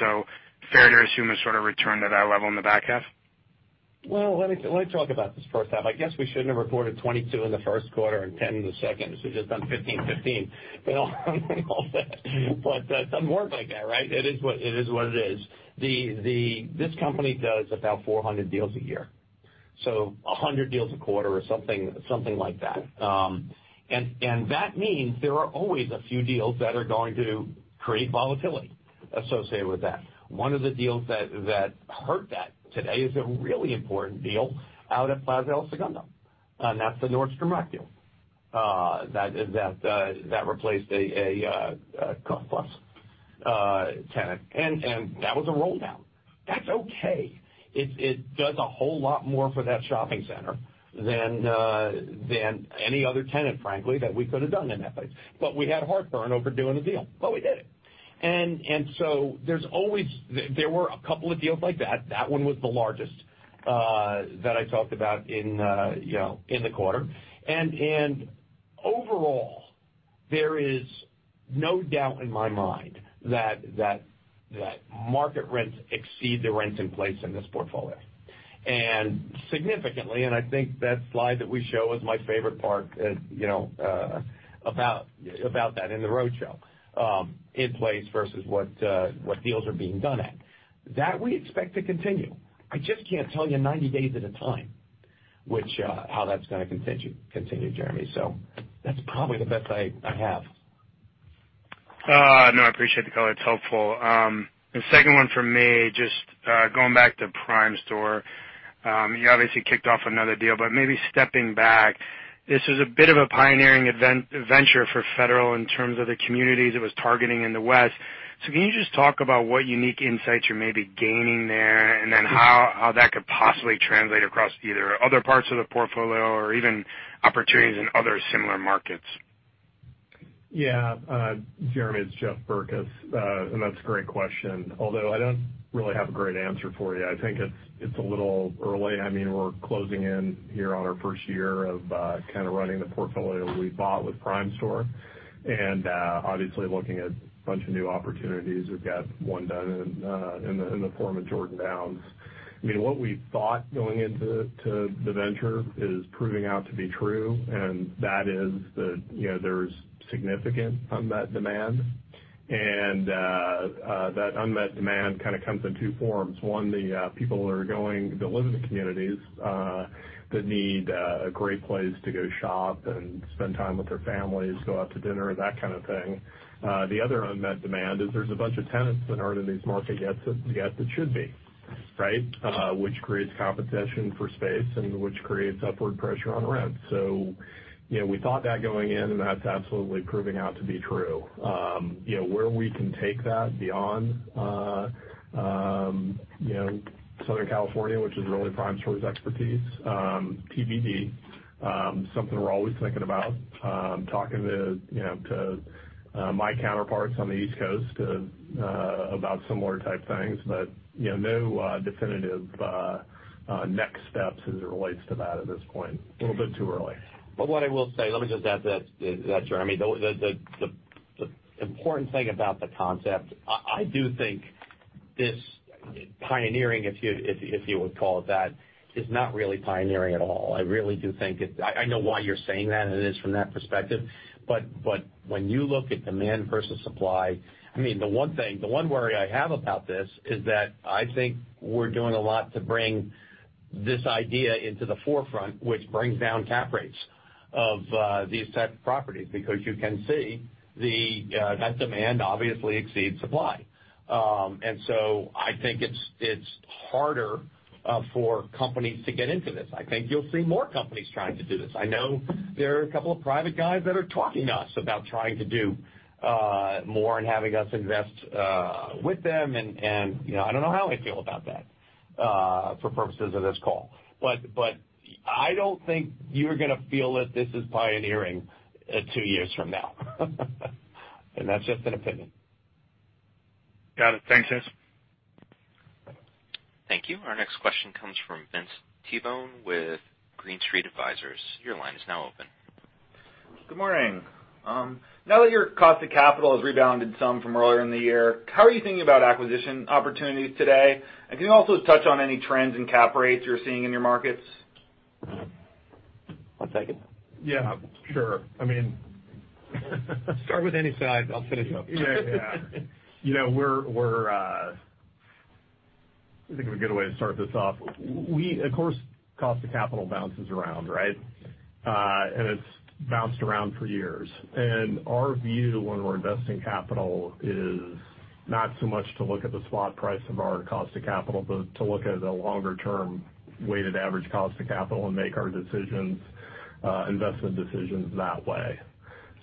fair to assume a sort of return to that level in the back half? Let me talk about this first half. I guess we shouldn't have reported 22 in the first quarter and 10 in the second. We should've just done 15/15. It doesn't work like that, right? It is what it is. This company does about 400 deals a year, 100 deals a quarter or something like that. That means there are always a few deals that are going to create volatility associated with that. One of the deals that hurt that today is a really important deal out at Plaza El Segundo, That's the Nordstrom Rack deal that replaced a Cost Plus tenant, That was a rolldown. That's okay. It does a whole lot more for that shopping center than any other tenant, frankly, that we could have done in that place. We had heartburn over doing the deal, but we did it. there were a couple of deals like that. That one was the largest that I talked about in the quarter. Overall, there is no doubt in my mind that market rents exceed the rents in place in this portfolio. Significantly, I think that slide that we show is my favorite part about that in the roadshow, in place versus what deals are being done at. That we expect to continue. I just can't tell you 90 days at a time how that's going to continue, Jeremy Metz. That's probably the best I have. No, I appreciate the color. It's helpful. The second one for me, just going back to Primestor. You obviously kicked off another deal, but maybe stepping back, this was a bit of a pioneering venture for Federal Realty in terms of the communities it was targeting in the West. Can you just talk about what unique insights you're maybe gaining there, and then how that could possibly translate across either other parts of the portfolio or even opportunities in other similar markets? Yeah. Jeremy Metz, it's Jeff Berkes, that's a great question, although I don't really have a great answer for you. I think it's a little early. We're closing in here on our first year of kind of running the portfolio that we bought with Primestor, obviously, looking at a bunch of new opportunities. We've got one done in the form of Jordan Downs. What we thought going into the venture is proving out to be true, that is that there's significant unmet demand, that unmet demand kind of comes in two forms. One, the people that are going to live in the communities that need a great place to go shop and spend time with their families, go out to dinner, that kind of thing. The other unmet demand is there's a bunch of tenants that aren't in these market yet that should be, right? Which creates competition for space which creates upward pressure on rent. We thought that going in, that's absolutely proving out to be true. Where we can take that beyond Southern California, which is really Primestor's expertise. TBD. Something we're always thinking about, talking to my counterparts on the East Coast about similar type things. No definitive next steps as it relates to that at this point. A little bit too early. What I will say, let me just add to that, Jeremy. The important thing about the concept, I do think this pioneering, if you would call it that, is not really pioneering at all. I really do think I know why you're saying that, and it is from that perspective, but when you look at demand versus supply, the one worry I have about this is that I think we're doing a lot to bring this idea into the forefront, which brings down cap rates of these types of properties, because you can see that demand obviously exceeds supply. I think it's harder for companies to get into this. I think you'll see more companies trying to do this. I know there are a couple of private guys that are talking to us about trying to do more and having us invest with them, and I don't know how I feel about that for purposes of this call. I don't think you're gonna feel that this is pioneering two years from now. That's just an opinion. Got it. Thanks, guys. Thank you. Our next question comes from Vince Tibone with Green Street Advisors. Your line is now open. Good morning. Now that your cost of capital has rebounded some from earlier in the year, how are you thinking about acquisition opportunities today? Can you also touch on any trends in cap rates you're seeing in your markets? One second. Yeah, sure. Start with any side. I'll finish up. Yeah. I'm thinking of a good way to start this off. Of course, cost of capital bounces around, right? It's bounced around for years. Our view when we're investing capital is not so much to look at the spot price of our cost of capital, but to look at a longer-term weighted average cost of capital and make our investment decisions that way.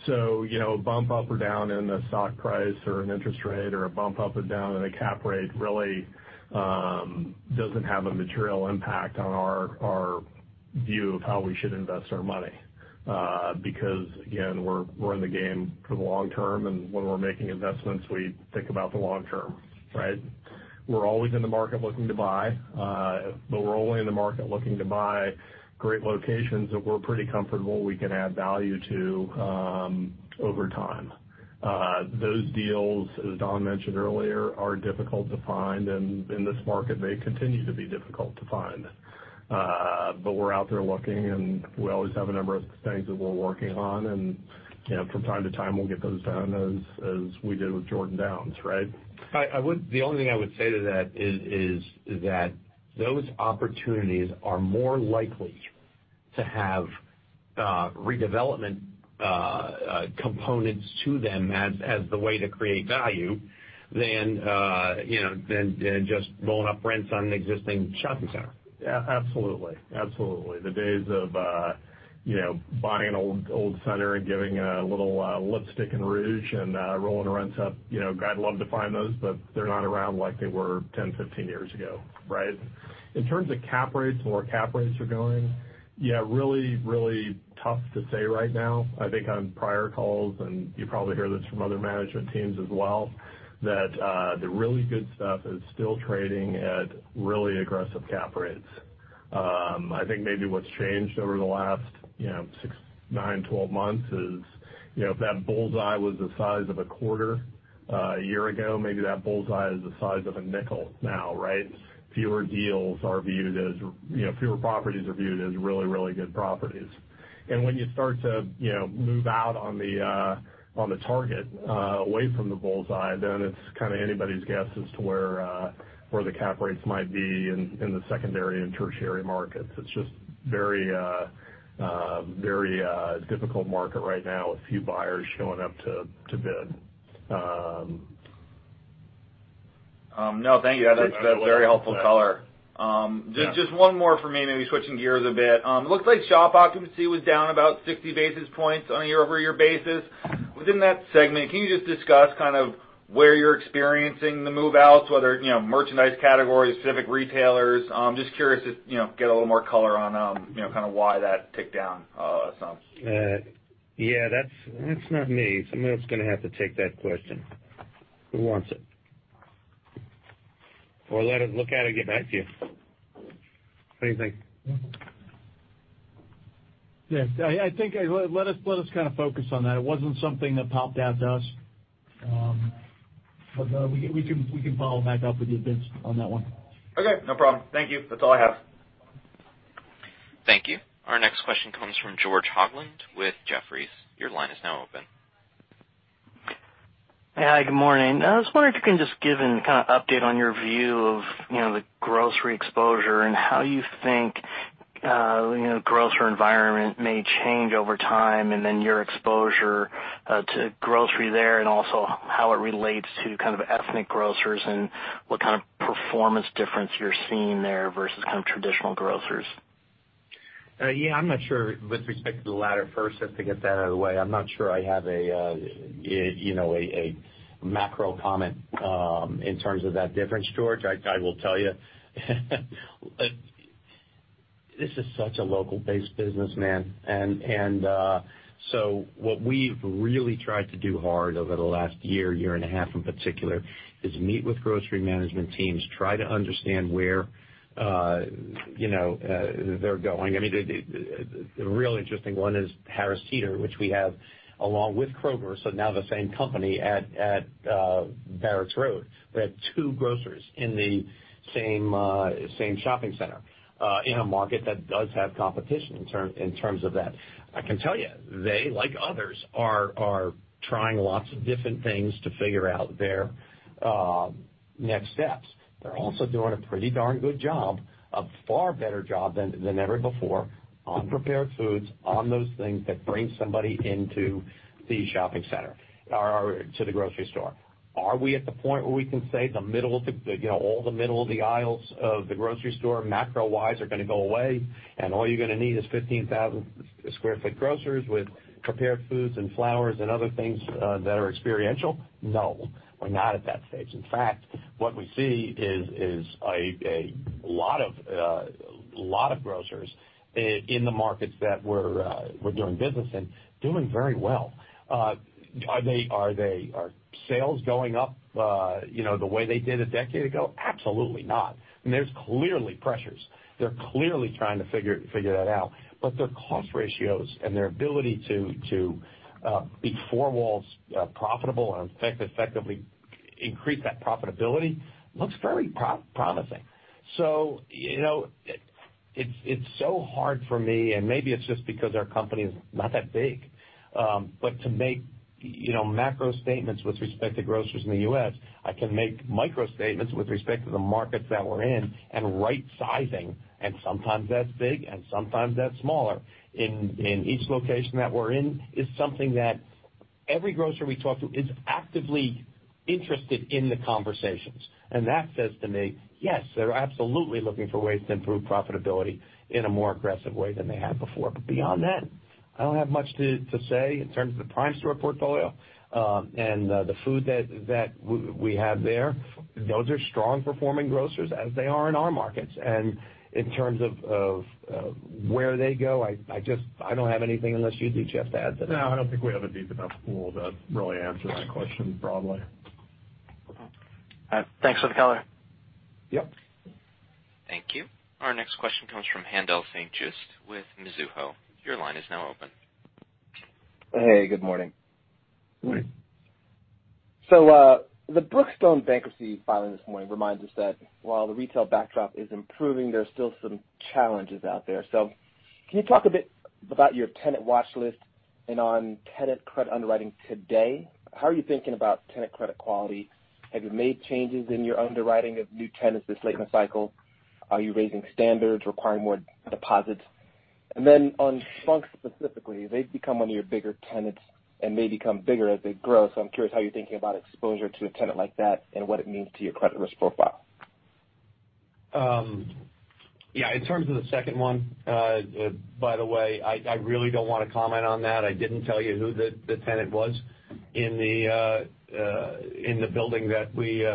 A bump up or down in the stock price or an interest rate or a bump up or down in a cap rate really doesn't have a material impact on our view of how we should invest our money. Because, again, we're in the game for the long term, and when we're making investments, we think about the long term, right? We're always in the market looking to buy. We're only in the market looking to buy great locations that we're pretty comfortable we can add value to over time. Those deals, as Don mentioned earlier, are difficult to find, and in this market, they continue to be difficult to find. We're out there looking, and we always have a number of things that we're working on, and from time to time, we'll get those done as we did with Jordan Downs, right? The only thing I would say to that is that those opportunities are more likely to have redevelopment components to them as the way to create value than just rolling up rents on an existing shopping center. Yeah, absolutely. The days of buying an old center and giving a little lipstick and rouge and rolling the rents up, God love to find those, they're not around like they were 10, 15 years ago, right? In terms of cap rates and where cap rates are going, yeah, really tough to say right now. I think on prior calls, and you probably hear this from other management teams as well, that the really good stuff is still trading at really aggressive cap rates. I think maybe what's changed over the last 6, 9, 12 months is, if that bullseye was the size of a quarter a year ago, maybe that bullseye is the size of a nickel now, right? Fewer properties are viewed as really good properties. When you start to move out on the target away from the bullseye, then it's kind of anybody's guess as to where the cap rates might be in the secondary and tertiary markets. It's just very a difficult market right now, with few buyers showing up to bid. No, thank you. That's very helpful color. Yeah. Just one more from me, maybe switching gears a bit. It looks like shop occupancy was down about 60 basis points on a year-over-year basis. Within that segment, can you just discuss where you're experiencing the move-outs, whether merchandise categories, specific retailers? I'm just curious to get a little more color on why that ticked down some. Yeah. That's not me. Someone else is going to have to take that question. Who wants it? Let us look at it and get back to you. What do you think? Yes. I think, let us kind of focus on that. It wasn't something that popped out to us. We can follow back up with you, Vince, on that one. Okay, no problem. Thank you. That's all I have. Thank you. Our next question comes from George Hoglund with Jefferies. Your line is now open. Hi, good morning. I was wondering if you can just give an update on your view of the grocery exposure and how you think grocer environment may change over time, and then your exposure to grocery there, and also how it relates to kind of ethnic grocers and what kind of performance difference you're seeing there versus traditional grocers. I'm not sure with respect to the latter first, just to get that out of the way. I'm not sure I have a macro comment in terms of that difference, George. I will tell you, this is such a local-based business, man. What we've really tried to do hard over the last year and a half in particular, is meet with grocery management teams, try to understand where they're going. A real interesting one is Harris Teeter, which we have along with Kroger, so now the same company at Barracks Road. We have two grocers in the same shopping center, in a market that does have competition in terms of that. I can tell you, they, like others, are trying lots of different things to figure out their next steps. They're also doing a pretty darn good job, a far better job than ever before, on prepared foods, on those things that bring somebody into the shopping center or to the grocery store. Are we at the point where we can say all the middle of the aisles of the grocery store, macro-wise, are going to go away, and all you're going to need is 15,000 square foot grocers with prepared foods and flowers and other things that are experiential? No, we're not at that stage. In fact, what we see is a lot of grocers in the markets that we're doing business in, doing very well. Are sales going up the way they did a decade ago? Absolutely not. There's clearly pressures. They're clearly trying to figure that out. Their cost ratios and their ability to be four walls profitable and effectively increase that profitability looks very promising. It's so hard for me, and maybe it's just because our company is not that big, to make macro statements with respect to grocers in the U.S. I can make micro statements with respect to the markets that we're in and right sizing, and sometimes that's big, and sometimes that's smaller. In each location that we're in, it's something that every grocer we talk to is actively interested in the conversations. That says to me, yes, they're absolutely looking for ways to improve profitability in a more aggressive way than they have before. Beyond that, I don't have much to say in terms of the Primestor portfolio, and the food that we have there. Those are strong performing grocers as they are in our markets. In terms of where they go, I don't have anything unless you do, Jeff, to add to that. No, I don't think we have a deep enough pool to really answer that question broadly. Okay. Thanks for the color. Yep. Thank you. Our next question comes from Haendel St. Juste with Mizuho. Your line is now open. Hey, good morning. Good morning. The Brookstone bankruptcy filing this morning reminds us that while the retail backdrop is improving, there's still some challenges out there. Can you talk a bit about your tenant watch list and on tenant credit underwriting today? How are you thinking about tenant credit quality? Have you made changes in your underwriting of new tenants this late in the cycle? Are you raising standards, requiring more deposits? On Splunk specifically, they've become one of your bigger tenants and may become bigger as they grow. I'm curious how you're thinking about exposure to a tenant like that and what it means to your credit risk profile. Yeah. In terms of the second one, by the way, I really don't want to comment on that. I didn't tell you who the tenant was in the building that we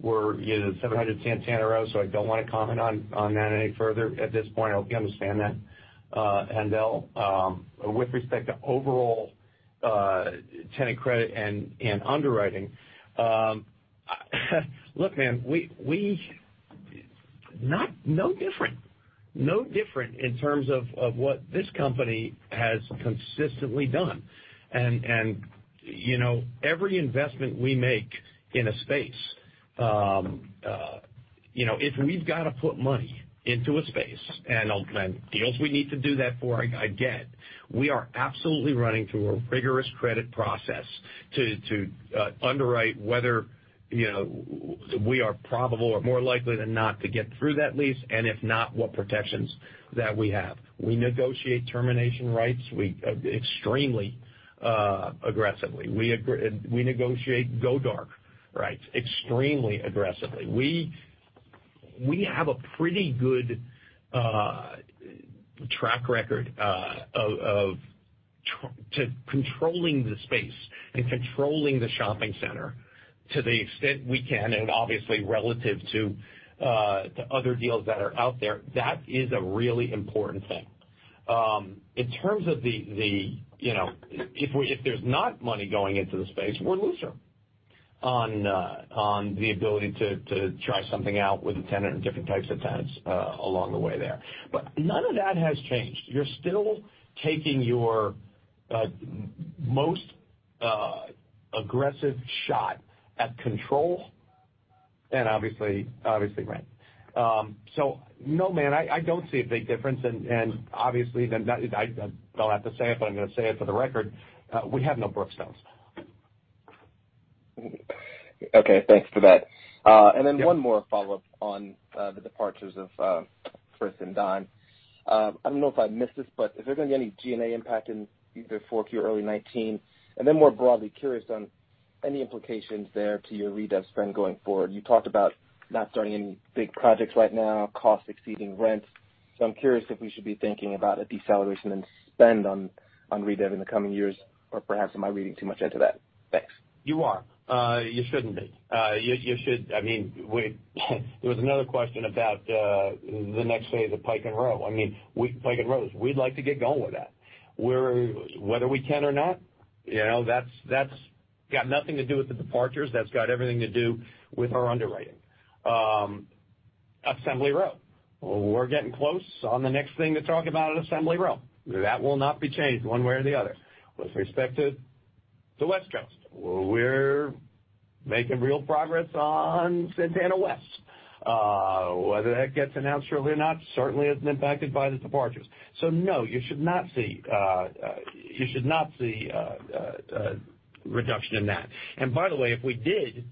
were, 700 Santana Row, I don't want to comment on that any further at this point. I hope you understand that, Haendel. With respect to overall tenant credit and underwriting, look, man, no different. No different in terms of what this company has consistently done. Every investment we make in a space, if we've got to put money into a space, and deals we need to do that for, I get, we are absolutely running through a rigorous credit process to underwrite whether we are probable or more likely than not to get through that lease, and if not, what protections that we have. We negotiate termination rights extremely aggressively. We negotiate go dark rights extremely aggressively. We have a pretty good track record of controlling the space and controlling the shopping center to the extent we can, and obviously relative to other deals that are out there. That is a really important thing. In terms of if there's not money going into the space, we're looser on the ability to try something out with a tenant and different types of tenants along the way there. None of that has changed. You're still taking your most aggressive shot at control and obviously rent. No, man, I don't see a big difference. Obviously, I don't have to say it, but I'm going to say it for the record, we have no Brookstones. Okay, thanks for that. Yeah. One more follow-up on the departures of Chris and Don. I don't know if I missed this, but is there going to be any G&A impact in either 4Q or early 2019? More broadly, curious on any implications there to your redev spend going forward. You talked about not starting any big projects right now, cost exceeding rents. I'm curious if we should be thinking about a deceleration in spend on redev in the coming years, or perhaps am I reading too much into that? Thanks. You are. You shouldn't be. There was another question about the next phase of Pike & Rose. We'd like to get going with that. Whether we can or not, that's got nothing to do with the departures. That's got everything to do with our underwriting. Assembly Row. We're getting close on the next thing to talk about at Assembly Row. That will not be changed one way or the other. With respect to the West Coast, we're making real progress on Santana West. Whether that gets announced early or not, certainly isn't impacted by the departures. No, you should not see a reduction in that. By the way, if we did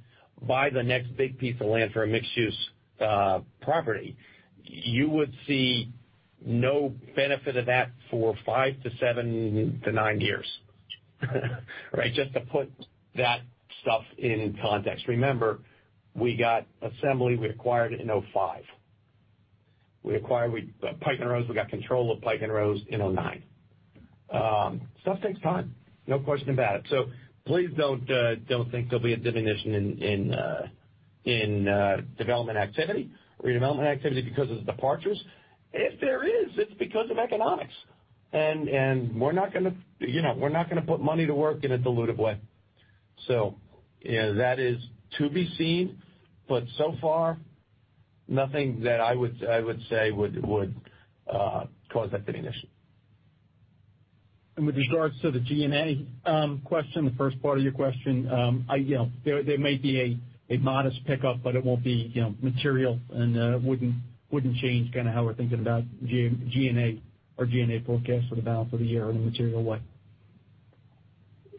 buy the next big piece of land for a mixed-use property, you would see no benefit of that for five to seven to nine years. Right? Just to put that stuff in context. Remember, we got Assembly, we acquired it in 2005. Pike & Rose, we got control of Pike & Rose in 2009. Stuff takes time, no question about it. Please don't think there'll be a diminution in development activity or redevelopment activity because of the departures. If there is, it's because of economics, and we're not going to put money to work in a dilutive way. That is to be seen, but so far, nothing that I would say would cause that diminution. With regards to the G&A question, the first part of your question, there may be a modest pickup, but it won't be material, and wouldn't change how we're thinking about G&A or G&A forecast for the balance of the year in a material way.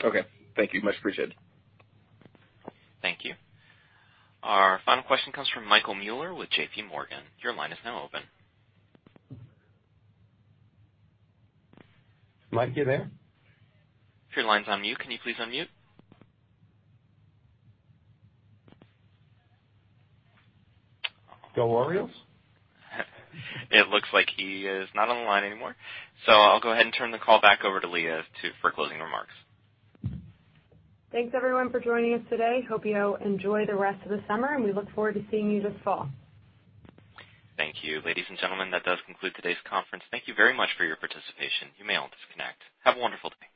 Okay. Thank you. Much appreciated. Thank you. Our final question comes from Michael Mueller with JPMorgan. Your line is now open. Mike, you there? Your line's on mute. Can you please unmute? [Go on Andress]. It looks like he is not on the line anymore. I'll go ahead and turn the call back over to Leah for closing remarks. Thanks everyone for joining us today. Hope you enjoy the rest of the summer, and we look forward to seeing you this fall. Thank you. Ladies and gentlemen, that does conclude today's conference. Thank you very much for your participation. You may all disconnect. Have a wonderful day.